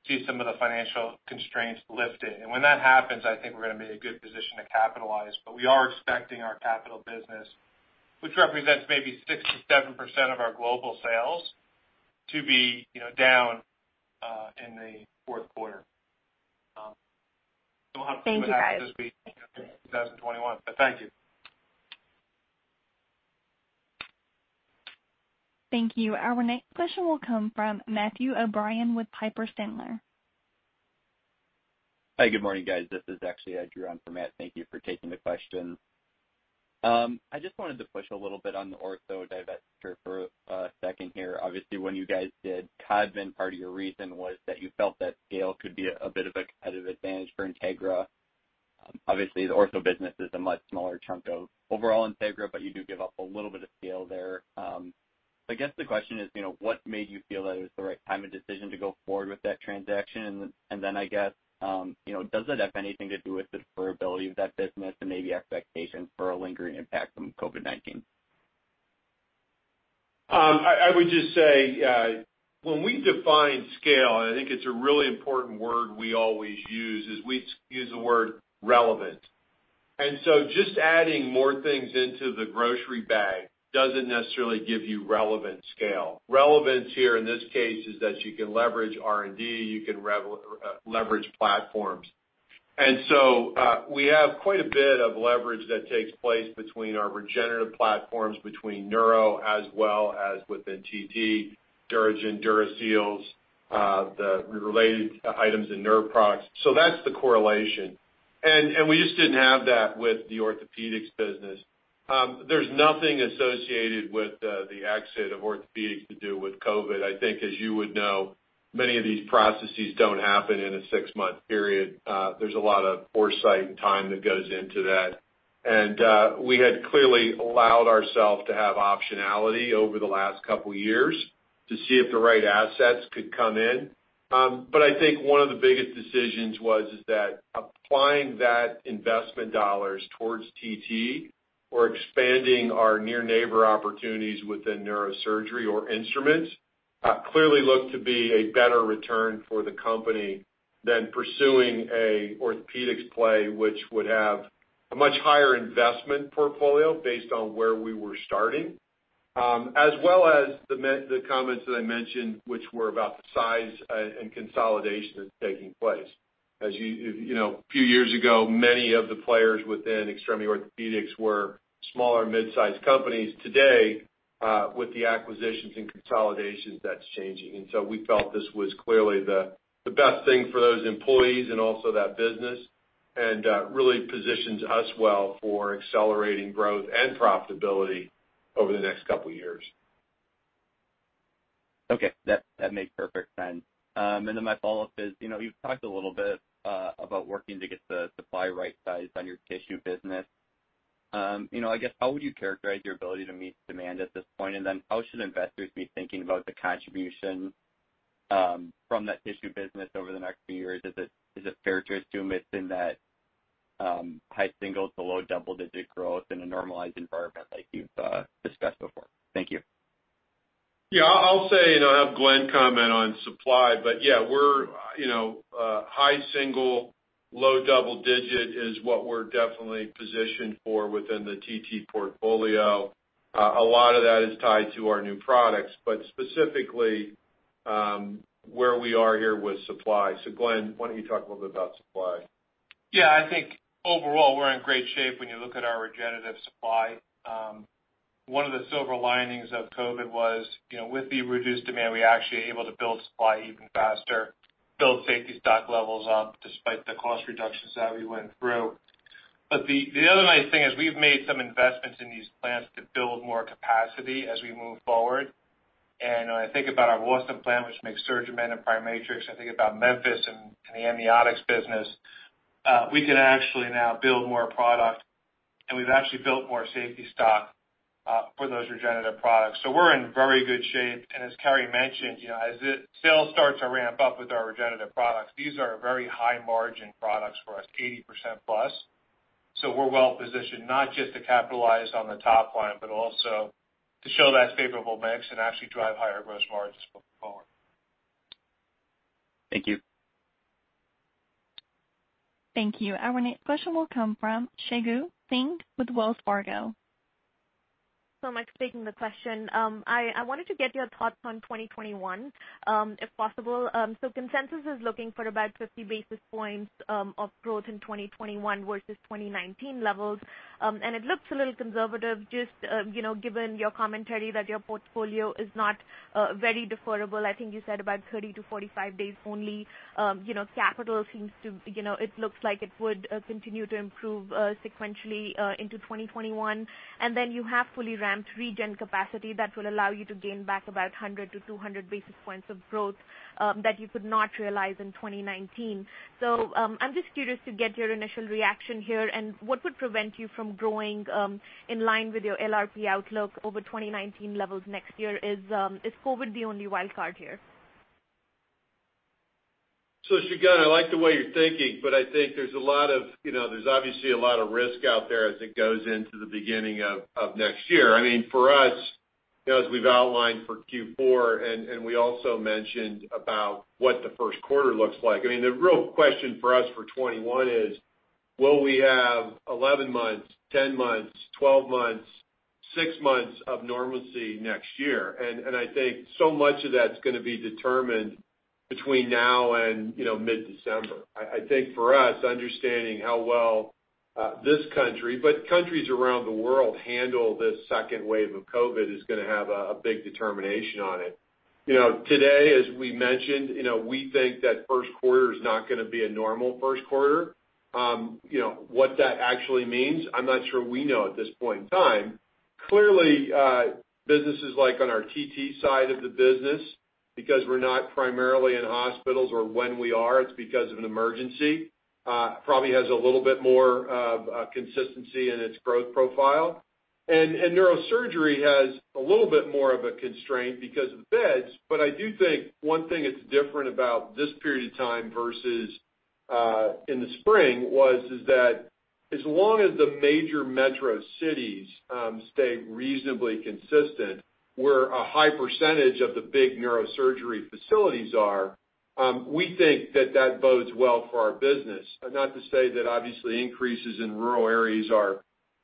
see some of the financial constraints lifted. When that happens, I think we're going to be in a good position to capitalize. We are expecting our capital business, which represents maybe 6%-7% of our global sales, to be down in the fourth quarter. Thank you, guys. We'll have some momentum as we get into 2021. Thank you. Thank you. Our next question will come from Matthew O'Brien with Piper Sandler. Hi, good morning, guys. This is actually Drew on for Matt. Thank you for taking the question. I just wanted to push a little bit on the ortho divestiture for a second here. Obviously, when you guys did Codman, part of your reason was that you felt that scale could be a bit of a competitive advantage for Integra. Obviously, the ortho business is a much smaller chunk of overall Integra, but you do give up a little bit of scale there. I guess the question is, what made you feel that it was the right time and decision to go forward with that transaction? I guess, does it have anything to do with the deferability of that business and maybe expectations for a lingering impact from COVID-19? I would just say, when we define scale—and I think it's a really important word we always use is we use the word "relevant." Just adding more things into the grocery bag doesn't necessarily give you relevant scale. Relevance here in this case is that you can leverage R&D; you can leverage platforms. We have quite a bit of leverage that takes place between our regenerative platforms, between neuro as well as within TT, DuraGen, DuraSeal, and the related items in nerve products. That's the correlation. We just didn't have that with the orthopedics business. There's nothing associated with the exit of orthopedics to do with COVID. I think, as you would know, many of these processes don't happen in a six-month period. There's a lot of foresight and time that goes into that. We had clearly allowed ourselves to have optionality over the last couple years to see if the right assets could come in. I think one of the biggest decisions was is that applying that investment dollars towards TT or expanding our near neighbor opportunities within neurosurgery or instruments clearly looked to be a better return for the company than pursuing an orthopedics play, which would have a much higher investment portfolio based on where we were starting. Well, as the comments that I mentioned, which were about the size and consolidation that's taking place. You know, a few years ago, many of the players within Extremity Orthopedics were small or midsize companies. Today, with the acquisitions and consolidations, that's changing. We felt this was clearly the best thing for those employees and also that business and really positions us well for accelerating growth and profitability over the next couple of years. Okay. That makes perfect sense. Then my follow-up is, you've talked a little bit about working to get the supply right-sized on your tissue business. I guess, how would you characterize your ability to meet demand at this point? Then how should investors be thinking about the contribution from that tissue business over the next few years? Is it fair to assume it's in that high single- to low double-digit growth in a normalized environment like you've discussed before? Thank you. Yeah, I'll say. I'll have Glenn comment on supply, but high single, low double-digit is what we're definitely positioned for within the TT portfolio. A lot of that is tied to our new products, but specifically, where we are here with supply. Glenn, why don't you talk a little bit about supply? Yeah, I think overall, we're in great shape when you look at our regenerative supply. One of the silver linings of COVID was, with the reduced demand, we actually are able to build supply even faster, build safety stock levels up despite the cost reductions that we went through. The other nice thing is we've made some investments in these plants to build more capacity as we move forward. When I think about our Boston plant, which makes SurgiMend and PriMatrix, I think about Memphis and the amniotics business. We can actually now build more product, and we've actually built more safety stock for those regenerative products. We're in very good shape. As Carrie mentioned, as sales start to ramp up with our regenerative products, these are very high-margin products for us, 80%+. We're well positioned, not just to capitalize on the top line, but also to show that favorable mix and actually drive higher gross margins going forward. Thank you. Thank you. Our next question will come from Shagun Singh with Wells Fargo. Thank you so much for taking the question. I wanted to get your thoughts on 2021, if possible. Consensus is looking for about 50 basis points of growth in 2021 versus 2019 levels. It looks a little conservative just given your commentary that your portfolio is not very deferrable. I think you said about 30 to 45 days only. Capital looks like it would continue to improve sequentially into 2021. You have fully ramped regen capacity that will allow you to gain back about 100 to 200 basis points of growth that you could not realize in 2019. I'm just curious to get your initial reaction here and what would prevent you from growing in line with your LRP outlook over 2019 levels next year. Is COVID the only wild card here? Shagun, I like the way you're thinking, but I think there's obviously a lot of risk out there as it goes into the beginning of next year. For us, as we've outlined for Q4, and we also mentioned about what the first quarter looks like. The real question for us for 2021 is, will we have 11 months, 10 months, 12 months, six months of normalcy next year? I think so much of that's going to be determined between now and mid-December. I think for us, understanding how well this country, but countries around the world, handle this second wave of COVID is going to have a big determination on it. Today, as we mentioned, we think that first quarter is not going to be a normal first quarter. What that actually means, I'm not sure we know at this point in time. Clearly, businesses like on our TT side of the business, because we're not primarily in hospitals or when we are, it's because of an emergency, probably has a little bit more of a consistency in its growth profile. Neurosurgery has a little bit more of a constraint because of beds. I do think one thing that's different about this period of time versus in the spring was is that, as long as the major metro cities stay reasonably consistent, where a high percentage of the big neurosurgery facilities are, we think that that bodes well for our business. Not to say that obviously increases in rural areas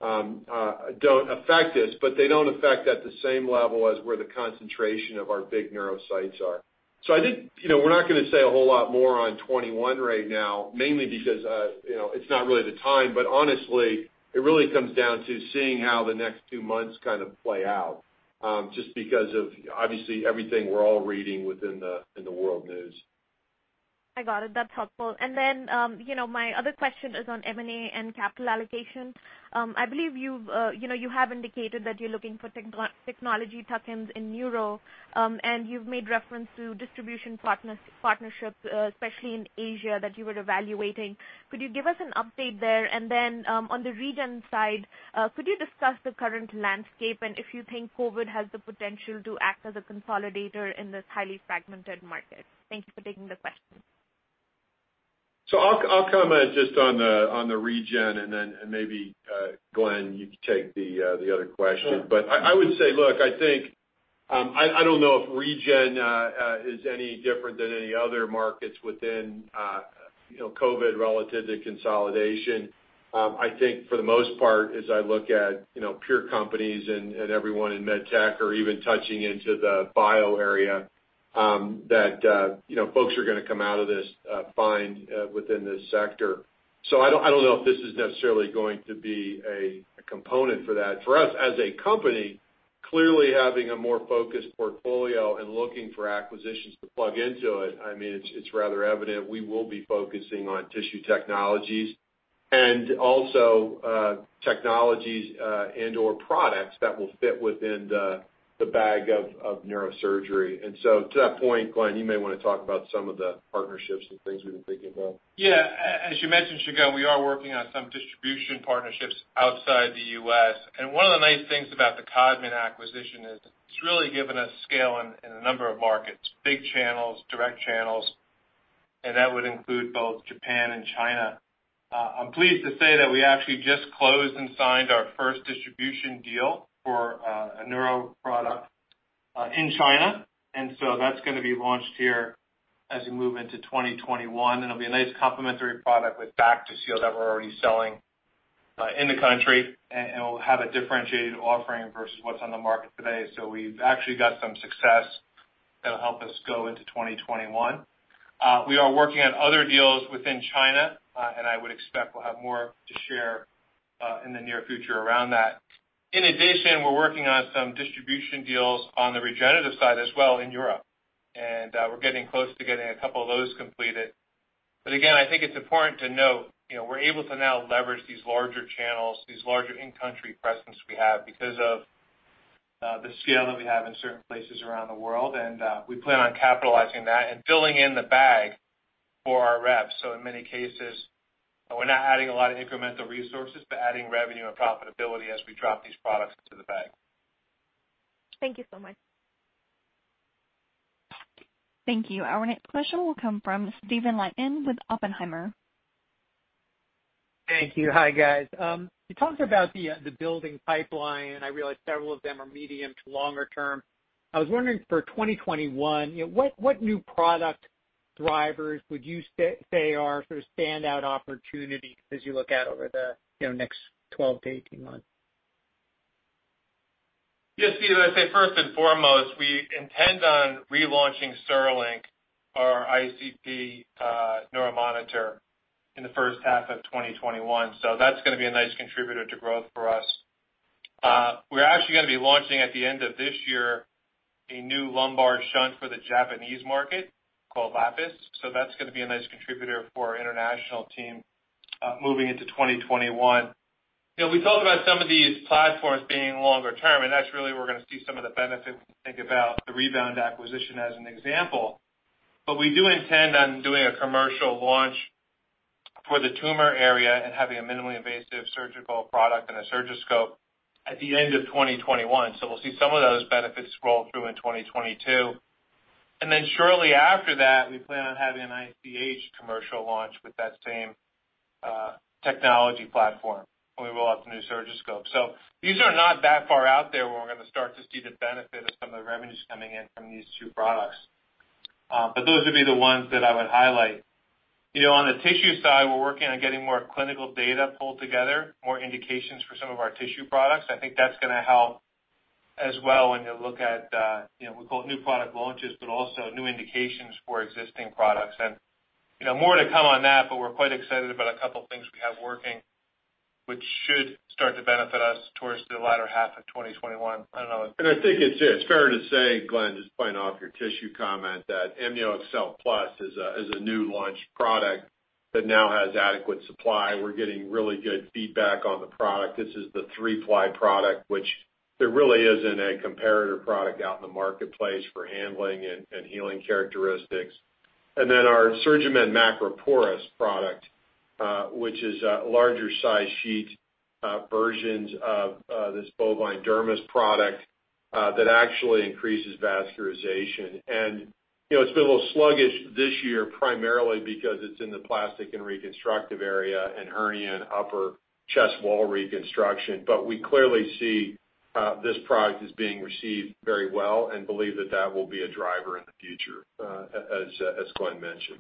don't affect us, but they don't affect at the same level as where the concentration of our big neuro sites are. I think we're not going to say a whole lot more on 2021 right now, mainly because it's not really the time. Honestly, it really comes down to seeing how the next two months kind of play out, just because of, obviously, everything we're all reading in the world news. I got it. That's helpful. My other question is on M&A and capital allocation. I believe you have indicated that you're looking for technology tuck-ins in neuro, and you've made reference to distribution partnerships, especially in Asia, that you were evaluating. Could you give us an update there? On the regen side, could you discuss the current landscape and if you think COVID has the potential to act as a consolidator in this highly fragmented market? Thank you for taking the question. I'll comment just on the regen, and then maybe, Glenn, you can take the other question. I would say, look, I don't know if regen is any different than any other markets within COVID relative to consolidation. I think, for the most part, as I look at peer companies and everyone in med tech or even touching into the bio area, that folks are going to come out of this fine within this sector. I don't know if this is necessarily going to be a component for that. For us, as a company, clearly having a more focused portfolio and looking for acquisitions to plug into, it's rather evident we will be focusing on tissue technologies and also technologies and/or products that will fit within the bag of neurosurgery. To that point, Glenn, you may want to talk about some of the partnerships and things we've been thinking about. Yeah. As you mentioned, Shagun, we are working on some distribution partnerships outside the U.S. One of the nice things about the Codman acquisition is it's really given us scale in a number of markets, big channels, direct channels, and that would include both Japan and China. I'm pleased to say that we actually just closed and signed our first distribution deal for a neuro product in China, and so that's going to be launched here as we move into 2021, and it'll be a nice complementary product with Tactus, who that we're already selling in the country. It will have a differentiated offering versus what's on the market today. We've actually got some success that'll help us go into 2021. We are working on other deals within China, and I would expect we'll have more to share in the near future around that. In addition, we're working on some distribution deals on the regenerative side as well in Europe. We're getting close to getting a couple of those completed. Again, I think it's important to note we're able to now leverage these larger channels, these larger in-country presences we have because of the scale that we have in certain places around the world. We plan on capitalizing that and filling in the bag for our reps. In many cases, we're not adding a lot of incremental resources but adding revenue and profitability as we drop these products into the bag. Thank you so much. Thank you. Our next question will come from Steven Lichtman with Oppenheimer. Thank you. Hi, guys. You talked about the building pipeline. I realize several of them are medium- to longer-term. I was wondering for 2021, what new product drivers would you say are sort of standout opportunities as you look out over the next 12-18 months? Yes, Steven, I'd say first and foremost, we intend on relaunching CereLink, our ICP neuro monitor, in the first half of 2021. That's going to be a nice contributor to growth for us. We're actually going to be launching at the end of this year a new lumbar shunt for the Japanese market called APIS. That's going to be a nice contributor for our international team moving into 2021. We talked about some of these platforms being longer-term, and that's really we're going to see some of the benefits when we think about the Rebound acquisition as an example. We do intend on doing a commercial launch for the tumor area and having a minimally invasive surgical product and a SurgiScope at the end of 2021. We'll see some of those benefits roll through in 2022. Shortly after that, we plan on having an ICH commercial launch with that same technology platform when we roll out the new Surgiscope. These are not that far out there where we're going to start to see the benefit of some of the revenues coming in from these two products. Those would be the ones that I would highlight. On the tissue side, we're working on getting more clinical data pulled together, more indications for some of our tissue products. I think that's going to help as well when you look at, we call it new product launches, but also new indications for existing products. More to come on that, but we're quite excited about a couple of things we have working, which should start to benefit us towards the latter half of 2021. I think it's fair to say, Glenn, just playing off your tissue comment, that AmnioExcel Plus is a new launch product that now has adequate supply. We're getting really good feedback on the product. This is the three-ply product, which there really isn't a comparator product out in the marketplace for handling and healing characteristics. Then our SurgiMend MP product, which is a larger size sheet versions of this bovine dermis product that actually increases vascularization. It's been a little sluggish this year, primarily because it's in the plastic and reconstructive area and hernia and upper chest wall reconstruction. We clearly see how this product is being received very well and believe that that will be a driver in the future, as Glenn mentioned.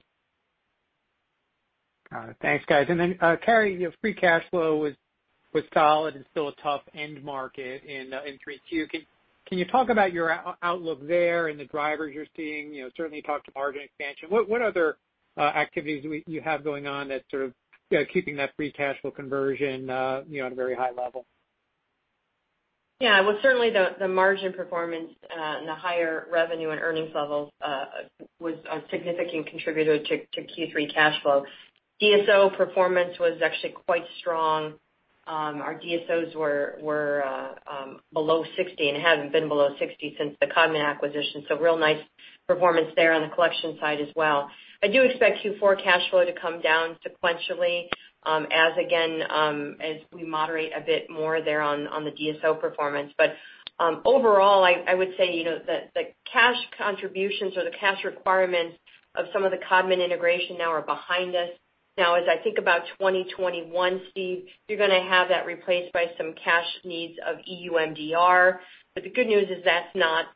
Got it. Thanks, guys. Carrie, free cash flow was solid and still a tough end market in Q3. Can you talk about your outlook there and the drivers you're seeing? Certainly you talked about margin expansion. What other activities do you have going on that's sort of keeping that free cash flow conversion at a very high level? Well, certainly the margin performance and the higher revenue and earnings levels was a significant contributors to Q3 cash flow. DSO performance was actually quite strong. Our DSOs were below 60 and haven't been below 60 since the Codman acquisition, so real nice performance there on the collection side as well. I do expect Q4 cash flow to come down sequentially as we moderate a bit more there on the DSO performance. Overall, I would say the cash contributions or the cash requirements of some of the Codman integration now are behind us. As I think about 2021, Steven, you're going to have that replaced by some cash needs of EU MDR. The good news is that's not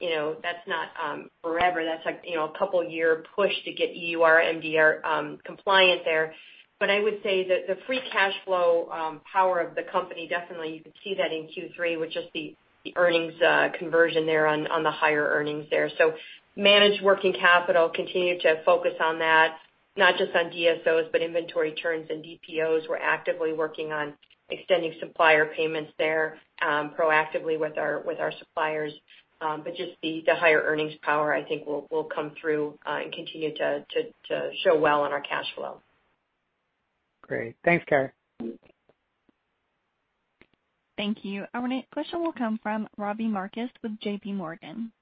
forever. That's a couple year push to get EU MDR compliant there. I would say that the free cash flow power of the company, definitely you could see that in Q3 with just the earnings conversion there on the higher earnings there. Managed working capital; continue to focus on that, not just on DSOs, but inventory turns and DPOs. We're actively working on extending supplier payments there proactively with our suppliers. Just the higher earnings power, I think, will come through and continue to show well on our cash flow. Great. Thanks, Carrie. Thank you. Our next question will come from Robbie Marcus with JP Morgan.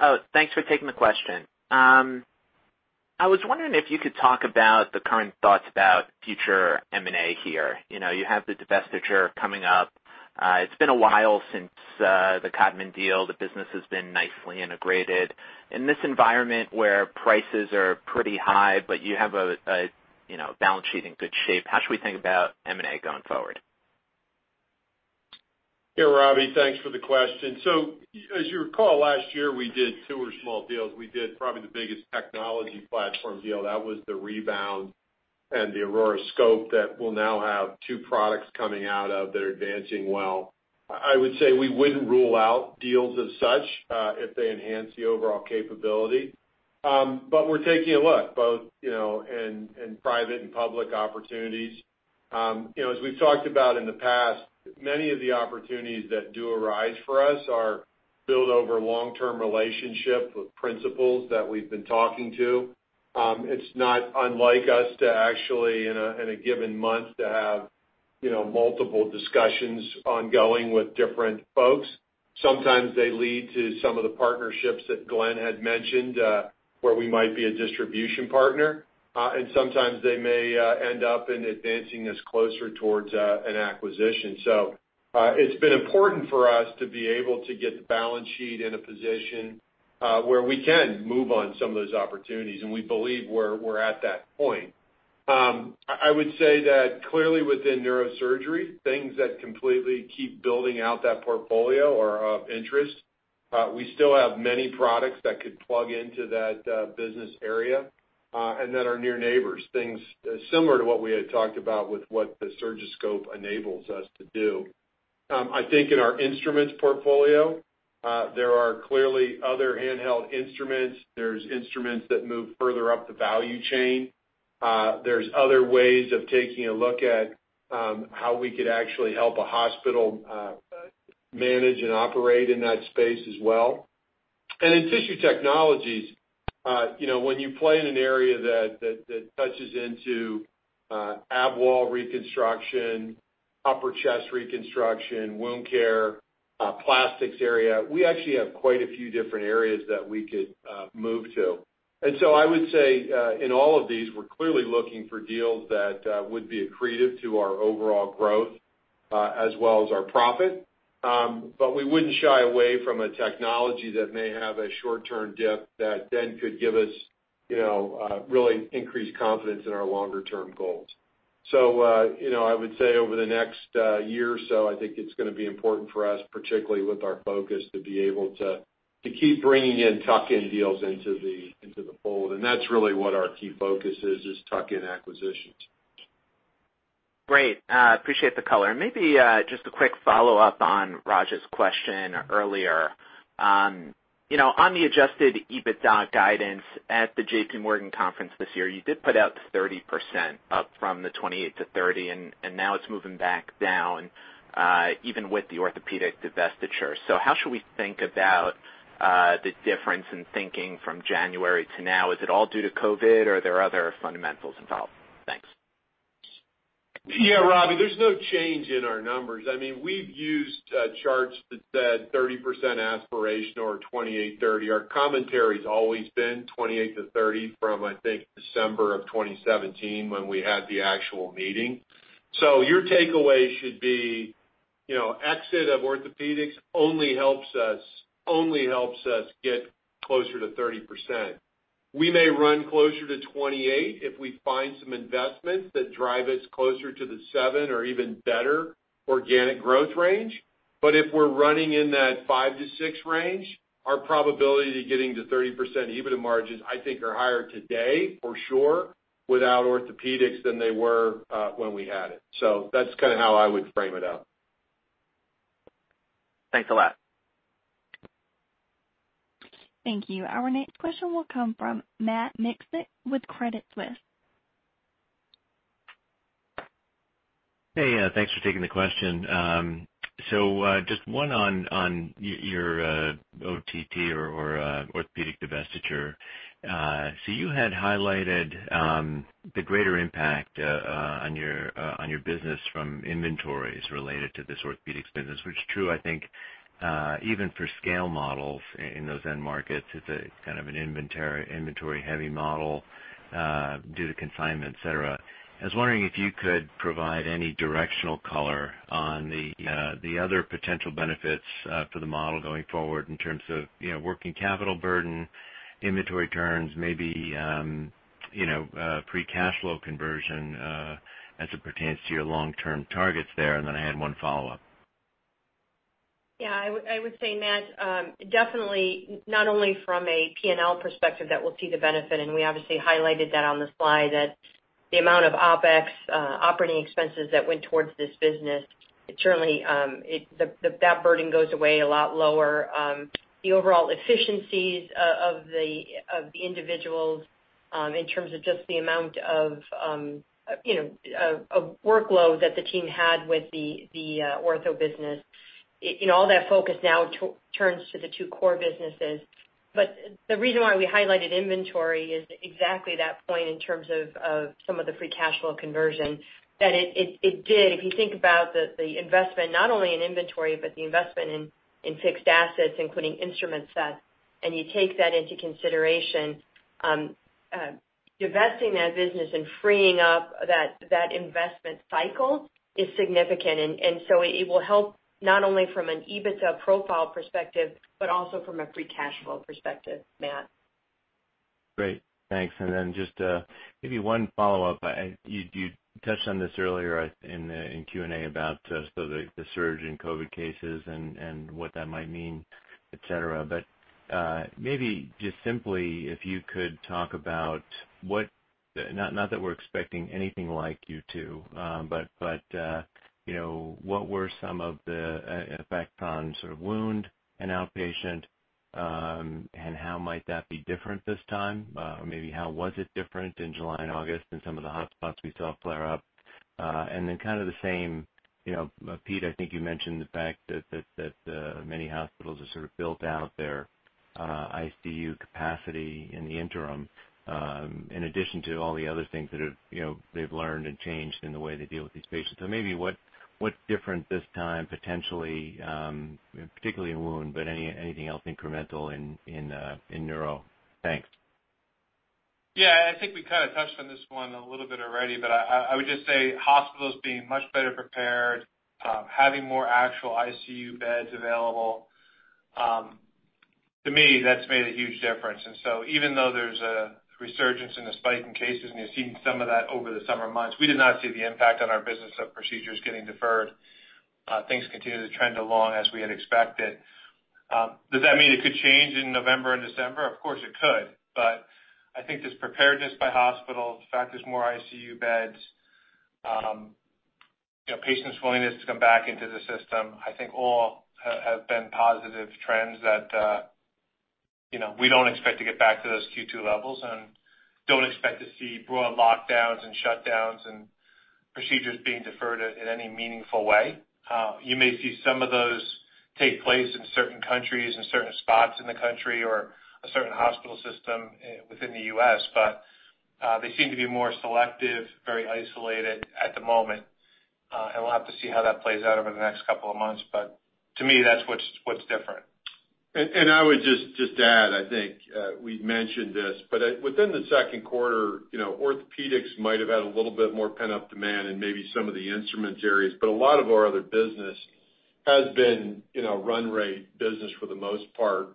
Oh, thanks for taking the question. I was wondering if you could talk about the current thoughts about future M&A here. You have the divestiture coming up. It's been a while since the Codman deal. The business has been nicely integrated. In this environment where prices are pretty high, but you have a balance sheet in good shape, how should we think about M&A going forward? Yeah, Robbie, thanks for the question. As you recall, last year, we did two or small deals. We did probably the biggest technology platform deal. That was the Rebound and the AURORA scope that we'll now have two products coming out of that are advancing well. I would say we wouldn't rule out deals as such if they enhance the overall capability. We're taking a look both in private and public opportunities. As we've talked about in the past, many of the opportunities that do arise for us are built over long-term relationships with principals that we've been talking to. It's not unlike us to actually, in a given month, to have multiple discussions ongoing with different folks. Sometimes they lead to some of the partnerships that Glenn had mentioned where we might be a distribution partner. Sometimes they may end up in advancing us closer towards an acquisition. It's been important for us to be able to get the balance sheet in a position where we can move on some of those opportunities, and we believe we're at that point. I would say that clearly within neurosurgery, things that completely keep building out that portfolio are of interest. We still have many products that could plug into that business area, and then our near neighbors, things similar to what we had talked about with what the SurgiScope enables us to do. I think in our instruments portfolio, there are clearly other handheld instruments. There's instruments that move further up the value chain. There's other ways of taking a look at how we could actually help a hospital manage and operate in that space as well. In tissue technologies, when you play in an area that touches into abdominal reconstruction, upper chest reconstruction, wound care, plastics area. We actually have quite a few different areas that we could move to. I would say, in all of these, we're clearly looking for deals that would be accretive to our overall growth as well as our profit. We wouldn't shy away from a technology that may have a short-term dip that then could give us really increased confidence in our longer-term goals. I would say over the next year or so, I think it's going to be important for us, particularly with our focus, to be able to keep bringing in tuck-in deals into the fold. That's really what our key focus is, just tuck-in acquisitions. Great. Appreciate the color. Maybe just a quick follow-up on Raj's question earlier. On the adjusted EBITDA guidance at the JPMorgan conference this year, you did put out 30%, up from the 28%-30%, and now it's moving back down, even with the orthopedic divestiture. How should we think about the difference in thinking from January to now? Is it all due to COVID, or are there other fundamentals involved? Thanks. Yeah, Robbie, there's no change in our numbers. We've used charts that said 30% aspiration or 28%-30%. Our commentary's always been 28%-30% from, I think, December 2017, when we had the actual meeting. Your takeaway should be, exit of orthopedics only helps us get closer to 30%. We may run closer to 28% if we find some investments that drive us closer to the 7% or even better organic growth range. If we're running in that 5%-6% range, our probability to getting to 30% EBITDA margins, I think, are higher today for sure without orthopedics than they were when we had it. That's kind of how I would frame it out. Thanks a lot. Thank you. Our next question will come from Matt Miksic with Credit Suisse. Hey, thanks for taking the question. Just one on your OTT or orthopedic divestiture. You had highlighted the greater impact on your business from inventories related to this orthopedics business, which is true, I think, even for scale models in those end markets. It's kind of an inventory-heavy model due to consignment, et cetera. I was wondering if you could provide any directional color on the other potential benefits for the model going forward in terms of working capital burden, inventory turns, maybe free cash flow conversion as it pertains to your long-term targets there. I had one follow-up. Yeah, I would say, Matt, definitely not only from a P&L perspective that we'll see the benefit, and we obviously highlighted that on the slide, that the amount of OpEx, operating expenses that went towards this business, certainly that burden goes away a lot lower. The overall efficiencies of the individuals in terms of just the amount of workload that the team had with the ortho business. All that focus now turns to the two core businesses. The reason why we highlighted inventory is exactly that point in terms of some of the free cash flow conversion. If you think about the investment, not only in inventory, but the investment in fixed assets, including instrument sets, and you take that into consideration, divesting that business and freeing up that investment cycle is significant. It will help not only from an EBITDA profile perspective but also from a free cash flow perspective, Matt. Great. Thanks. Then just maybe one follow-up. You touched on this earlier in the Q&A about the surge in COVID cases and what that might mean, et cetera. Maybe just simply if you could talk about what, not that we're expecting anything like Q2, but what were some of the effects on sort of wound and outpatient, and how might that be different this time? Maybe how was it different in July and August in some of the hotspots we saw flare up? Then kind of the same, Peter, I think you mentioned the fact that many hospitals have sort of built out their ICU capacity in the interim, in addition to all the other things that they've learned and changed in the way they deal with these patients. Maybe what's different this time, potentially, particularly in wound, but anything else incremental in neuro? Thanks. I think we kind of touched on this one a little bit already, but I would just say hospitals being much better prepared, having more actual ICU beds available. To me, that's made a huge difference. Even though there's a resurgence and a spike in cases, and you're seeing some of that over the summer months, we did not see the impact on our business of procedures getting deferred. Things continue to trend along as we had expected. Does that mean it could change in November and December? Of course it could, but I think this preparedness by hospitals, the fact there's more ICU beds, patients' willingness to come back into the system, I think all have been positive trends that we don't expect to get back to those Q2 levels and don't expect to see broad lockdowns and shutdowns. Procedures being deferred in any meaningful way. You may see some of those take place in certain countries, in certain spots in the country, or a certain hospital system within the U.S., but they seem to be more selective, very isolated at the moment. We'll have to see how that plays out over the next couple of months. To me, that's what's different. I would just add, I think we've mentioned this, but within the second quarter, orthopedics might have had a little bit more pent-up demand and maybe some of the instrument areas, but a lot of our other business has been run-rate business for the most part.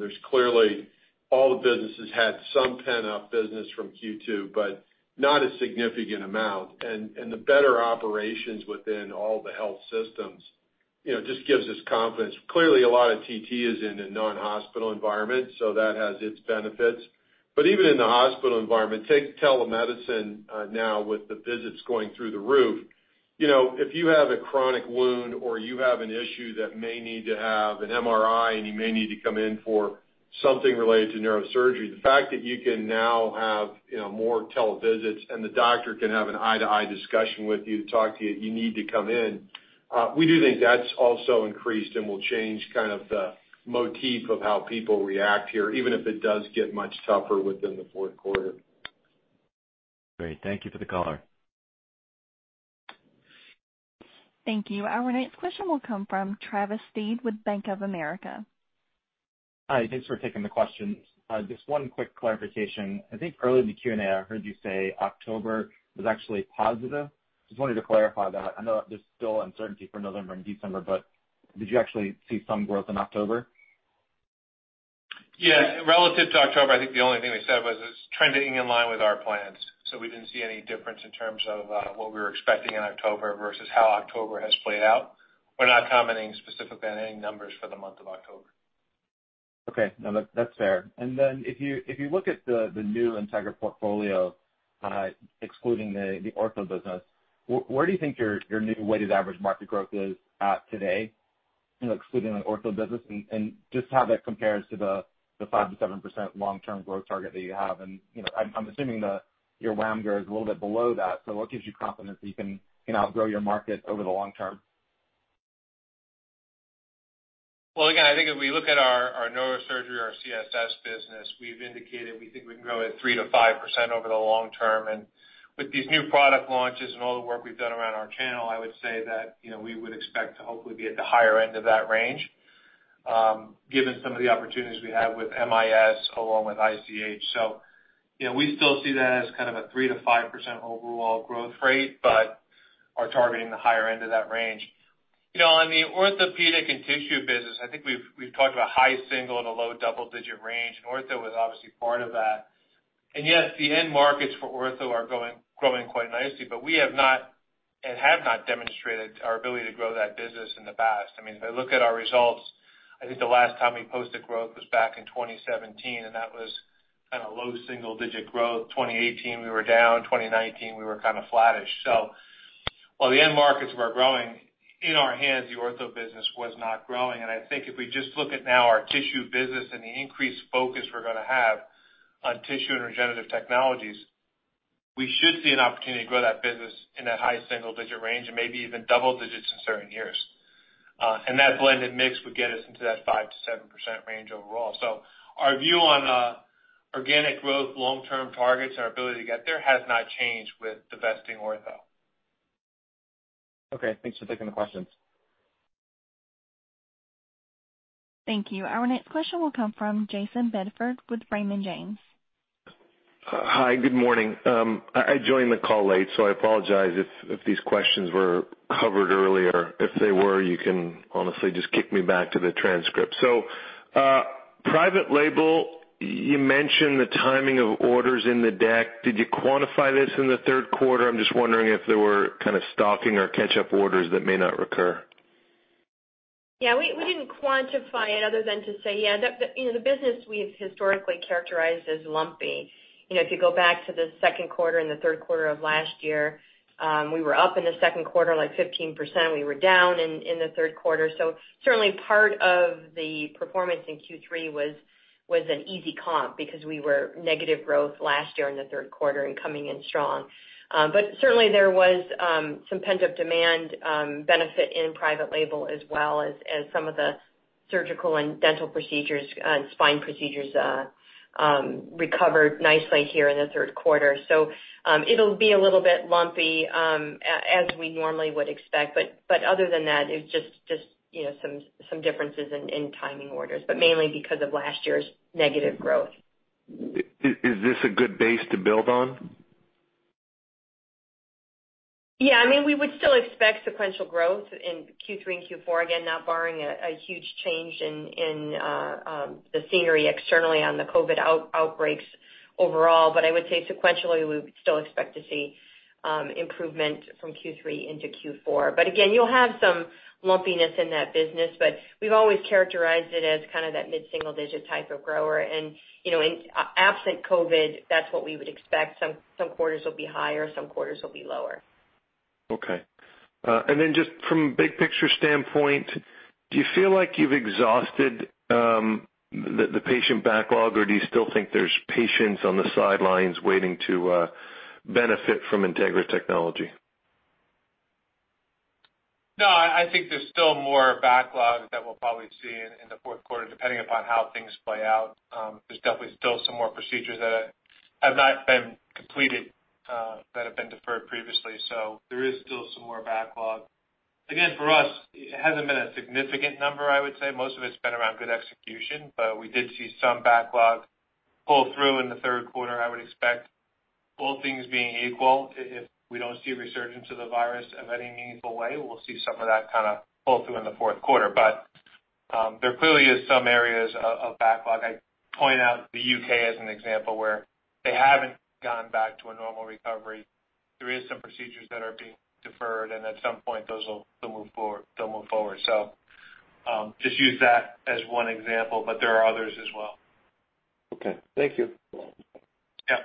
There's clearly all the businesses had some pent-up business from Q2, but not a significant amount. The better operations within all the health systems just give us confidence. Clearly, a lot of TT is in a non-hospital environment, so that has its benefits. Even in the hospital environment, take telemedicine now with the visits going through the roof. If you have a chronic wound or you have an issue that may need to have an MRI, and you may need to come in for something related to neurosurgery, the fact that you can now have more televisits and the doctor can have an eye-to-eye discussion with you to talk to you need to come in. We do think that's also increased and will change kind of the motif of how people react here, even if it does get much tougher within the fourth quarter. Great. Thank you for the color. Thank you. Our next question will come from Travis Steed with Bank of America. Hi, thanks for taking the questions. Just one quick clarification. I think earlier in the Q&A, I heard you say October was actually positive. Just wanted to clarify that. I know there's still uncertainty for November and December; did you actually see some growth in October? Yeah. Relative to October, I think the only thing we said was it's trending in line with our plans. We didn't see any difference in terms of what we were expecting in October versus how October has played out. We're not commenting on specific vanity numbers for the month of October. No, that's fair. If you look at the new Integra portfolio, excluding the ortho business, where do you think your new weighted average market growth is at today, excluding the ortho business, and just how that compares to the 5%-7% long-term growth target that you have? I'm assuming your WAM growth is a little bit below that. What gives you confidence that you can outgrow your market over the long term? Well, again, I think if we look at our neurosurgery, our CSS business, we've indicated we think we can grow at 3%-5% over the long term. With these new product launches and all the work we've done around our channel, I would say that we would expect to hopefully be at the higher end of that range, given some of the opportunities we have with MIS along with ICH. We still see that as kind of a 3%-5% overall growth rate but are targeting the higher end of that range. On the orthopedic and tissue business, I think we've talked about a high single and a low double-digit range, and ortho was obviously part of that. Yes, the end markets for ortho are growing quite nicely, but we have not demonstrated our ability to grow that business in the past. If I look at our results, I think the last time we posted growth was back in 2017; that was kind of low single-digit growth. In 2018, we were down. In 2019, we were kind of flattish. While the end markets were growing, in our hands, the ortho business was not growing. I think if we just look at now our tissue business and the increased focus we're going to have on tissue and regenerative technologies, we should see an opportunity to grow that business in that high single-digit range and maybe even double digits in certain years. That blended mix would get us into that 5%-7% range overall. Our view on organic growth long-term targets and our ability to get there has not changed with divesting ortho. Okay, thanks for taking the questions. Thank you. Our next question will come from Jayson Bedford with Raymond James. Hi, good morning. I joined the call late. I apologize if these questions were covered earlier. If they were, you can honestly just kick me back to the transcript. Private label, you mentioned the timing of orders in the deck. Did you quantify this in the third quarter? I am just wondering if there were kind of stocking or catch-up orders that may not recur. We didn't quantify it other than to say the business we've historically characterized as lumpy. If you go back to the second quarter and the third quarter of last year, we were up in the second quarter, like 15%. We were down in the third quarter. Certainly part of the performance in Q3 was an easy comp because we were negative growth last year in the third quarter and coming in strong. Certainly there was some pent-up demand benefit in private label as well as some of the surgical and dental procedures, and spine procedures recovered nicely here in the third quarter. It'll be a little bit lumpy as we normally would expect, but other than that, it's just some differences in timing orders, but mainly because of last year's negative growth. Is this a good base to build on? Yeah. We would still expect sequential growth in Q3 and Q4, again, not barring a huge change in the scenery externally on the COVID outbreaks overall. I would say sequentially, we would still expect to see improvement from Q3 into Q4. Again, you'll have some lumpiness in that business, but we've always characterized it as kind of that mid-single-digit type of grower. Absent COVID, that's what we would expect. Some quarters will be higher, some quarters will be lower. Okay. Just from a big-picture standpoint, do you feel like you've exhausted the patient backlog, or do you still think there's patients on the sidelines waiting to benefit from Integra technology? I think there's still more backlog that we'll probably see in the fourth quarter, depending upon how things play out. There's definitely still some more procedures that have not been completed that have been deferred previously. There is still some more backlog. Again, for us, it hasn't been a significant number, I would say. Most of it's been around good execution, but we did see some backlog pull through in the third quarter. I would expect all things being equal, if we don't see a resurgence of the virus of any meaningful way, we'll see some of that kind of pull through in the fourth quarter. There clearly is some areas of backlog. I point out the U.K. as an example where they haven't gone back to a normal recovery. There is some procedures that are being deferred, and at some point, those will move forward. Just use that as one example, but there are others as well. Okay. Thank you. Yeah.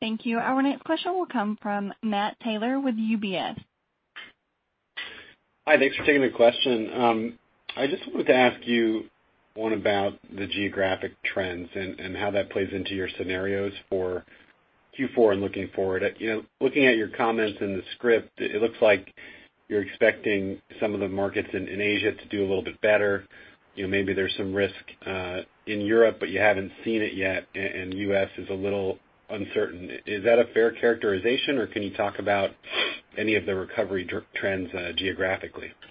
Thank you. Our next question will come from Matt Taylor with UBS. Hi. Thanks for taking the question. I just wanted to ask you one about the geographic trends and how that plays into your scenarios for Q4 and looking forward. Looking at your comments in the script, it looks like you're expecting some of the markets in Asia to do a little bit better. Maybe there's some risk in Europe, but you haven't seen it yet, and U.S. is a little uncertain. Is that a fair characterization, or can you talk about any of the recovery trends geographically? Yeah,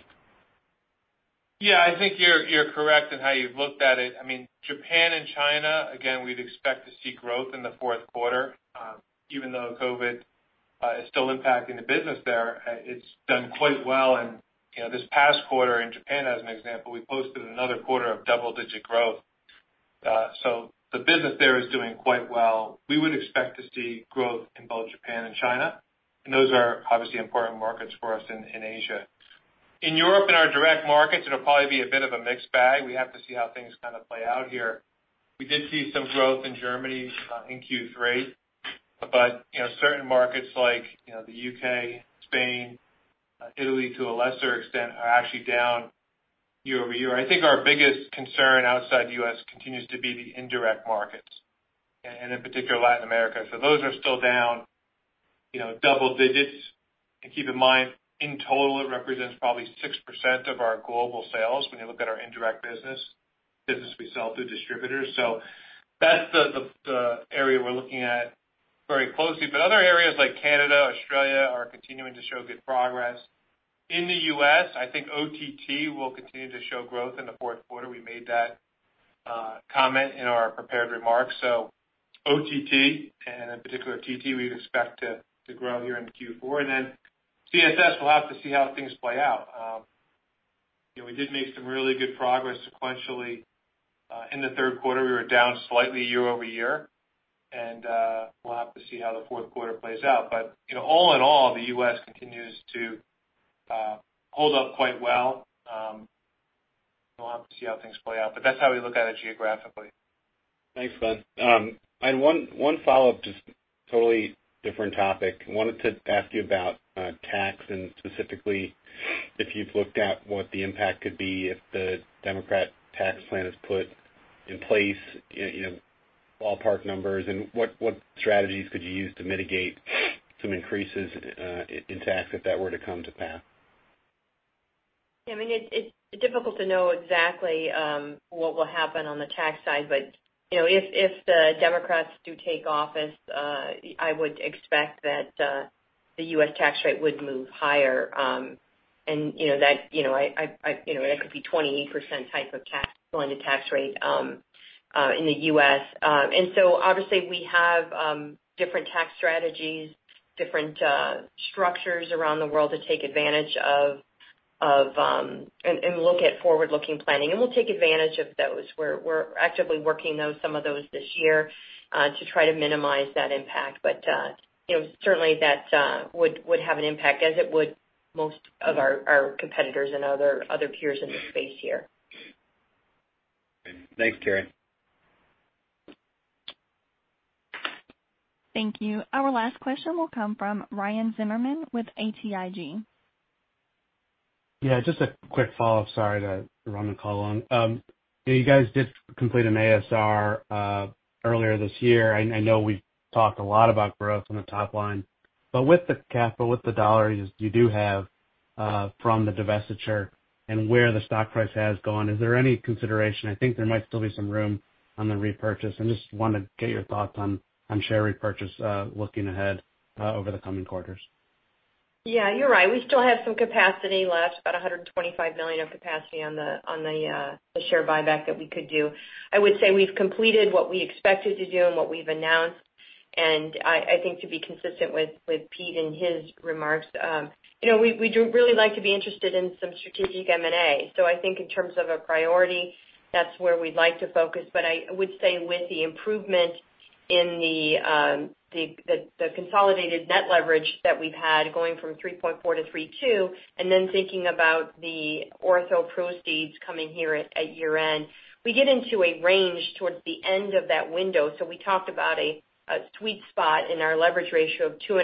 I think you're correct in how you've looked at it. Japan and China, again, we'd expect to see growth in the fourth quarter. Even though COVID is still impacting the business there, it's done quite well. This past quarter in Japan, as an example, we posted another quarter of double-digit growth. The business there is doing quite well. We would expect to see growth in both Japan and China. Those are obviously important markets for us in Asia. In Europe, in our direct markets, it'll probably be a bit of a mixed bag. We have to see how things play out here. We did see some growth in Germany in Q3, but certain markets like the U.K., Spain, Italy to a lesser extent are actually down year-over-year. I think our biggest concern outside the U.S. continues to be the indirect markets, and in particular, Latin America. Those are still down double digits. Keep in mind, in total, it represents probably 6% of our global sales when you look at our indirect business we sell through distributors. That's the area we're looking at very closely. Other areas, like Canada, Australia, are continuing to show good progress. In the U.S., I think OTT will continue to show growth in the fourth quarter. We made that comment in our prepared remarks. OTT, and in particular TT, we'd expect to grow here in Q4. Then CSS will have to see how things play out. We did make some really good progress sequentially in the third quarter. We were down slightly year-over-year, and we'll have to see how the fourth quarter plays out. All in all, the U.S. continues to hold up quite well. We'll have to see how things play out, but that's how we look at it geographically. Thanks, Glenn. I had one follow-up, just a totally different topic. Wanted to ask you about tax and specifically if you've looked at what the impact could be if the Democrat tax plan is put in place, ballpark numbers, and what strategies could you use to mitigate some increases in tax if that were to come to pass? Yeah, it's difficult to know exactly what will happen on the tax side, but if the Democrats do take office, I would expect that the U.S. tax rate would move higher. That could be 28% type of tax on the tax rate in the U.S. Obviously we have different tax strategies, different structures around the world to take advantage of and look at forward-looking planning, and we'll take advantage of those. We're actively working on some of those this year to try to minimize that impact. Certainly that would have an impact, as it would most of our competitors and other peers in this space here. Thanks, Carrie. Thank you. Our last question will come from Ryan Zimmerman with BTIG. Yeah, just a quick follow-up. Sorry to run the call long. You guys did complete an ASR earlier this year. I know we've talked a lot about growth on the top line, with the capital, with the dollar rises did you have from the divestiture and where the stock price has gone, is there any consideration? I think there might still be some room on the repurchase; I just want to get your thoughts on share repurchase looking ahead over the coming quarters. Yeah, you're right. We still have some capacity left, about $125 million of capacity on the share buyback that we could do. I would say we've completed what we expected to do and what we've announced. I think, to be consistent with Pete in his remarks, we'd really like to be interested in some strategic M&A. I think in terms of a priority, that's where we'd like to focus. I would say with the improvement in the consolidated net leverage that we've had going from 3.4 to 3.2, and then thinking about the Ortho proceeds coming here at year-end, we get into a range towards the end of that window. We talked about a sweet spot in our leverage ratio of 2.5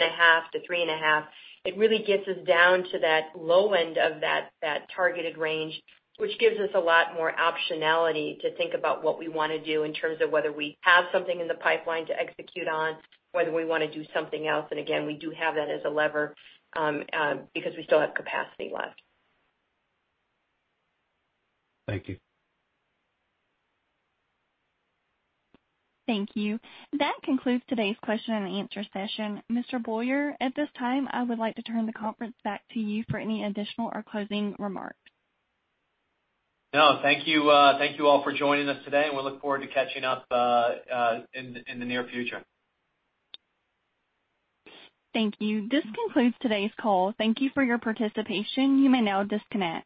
to 3.5. It really gets us down to that low end of that targeted range, which gives us a lot more optionality to think about what we want to do in terms of whether we have something in the pipeline to execute on, whether we want to do something else. Again, we do have that as a lever because we still have capacity left. Thank you. Thank you. That concludes today's question-and-answer session. Mr. Beaulieu, at this time, I would like to turn the conference back to you for any additional or closing remarks. No, thank you all for joining us today, and we look forward to catching up in the near future. Thank you. This concludes today's call. Thank you for your participation. You may now disconnect.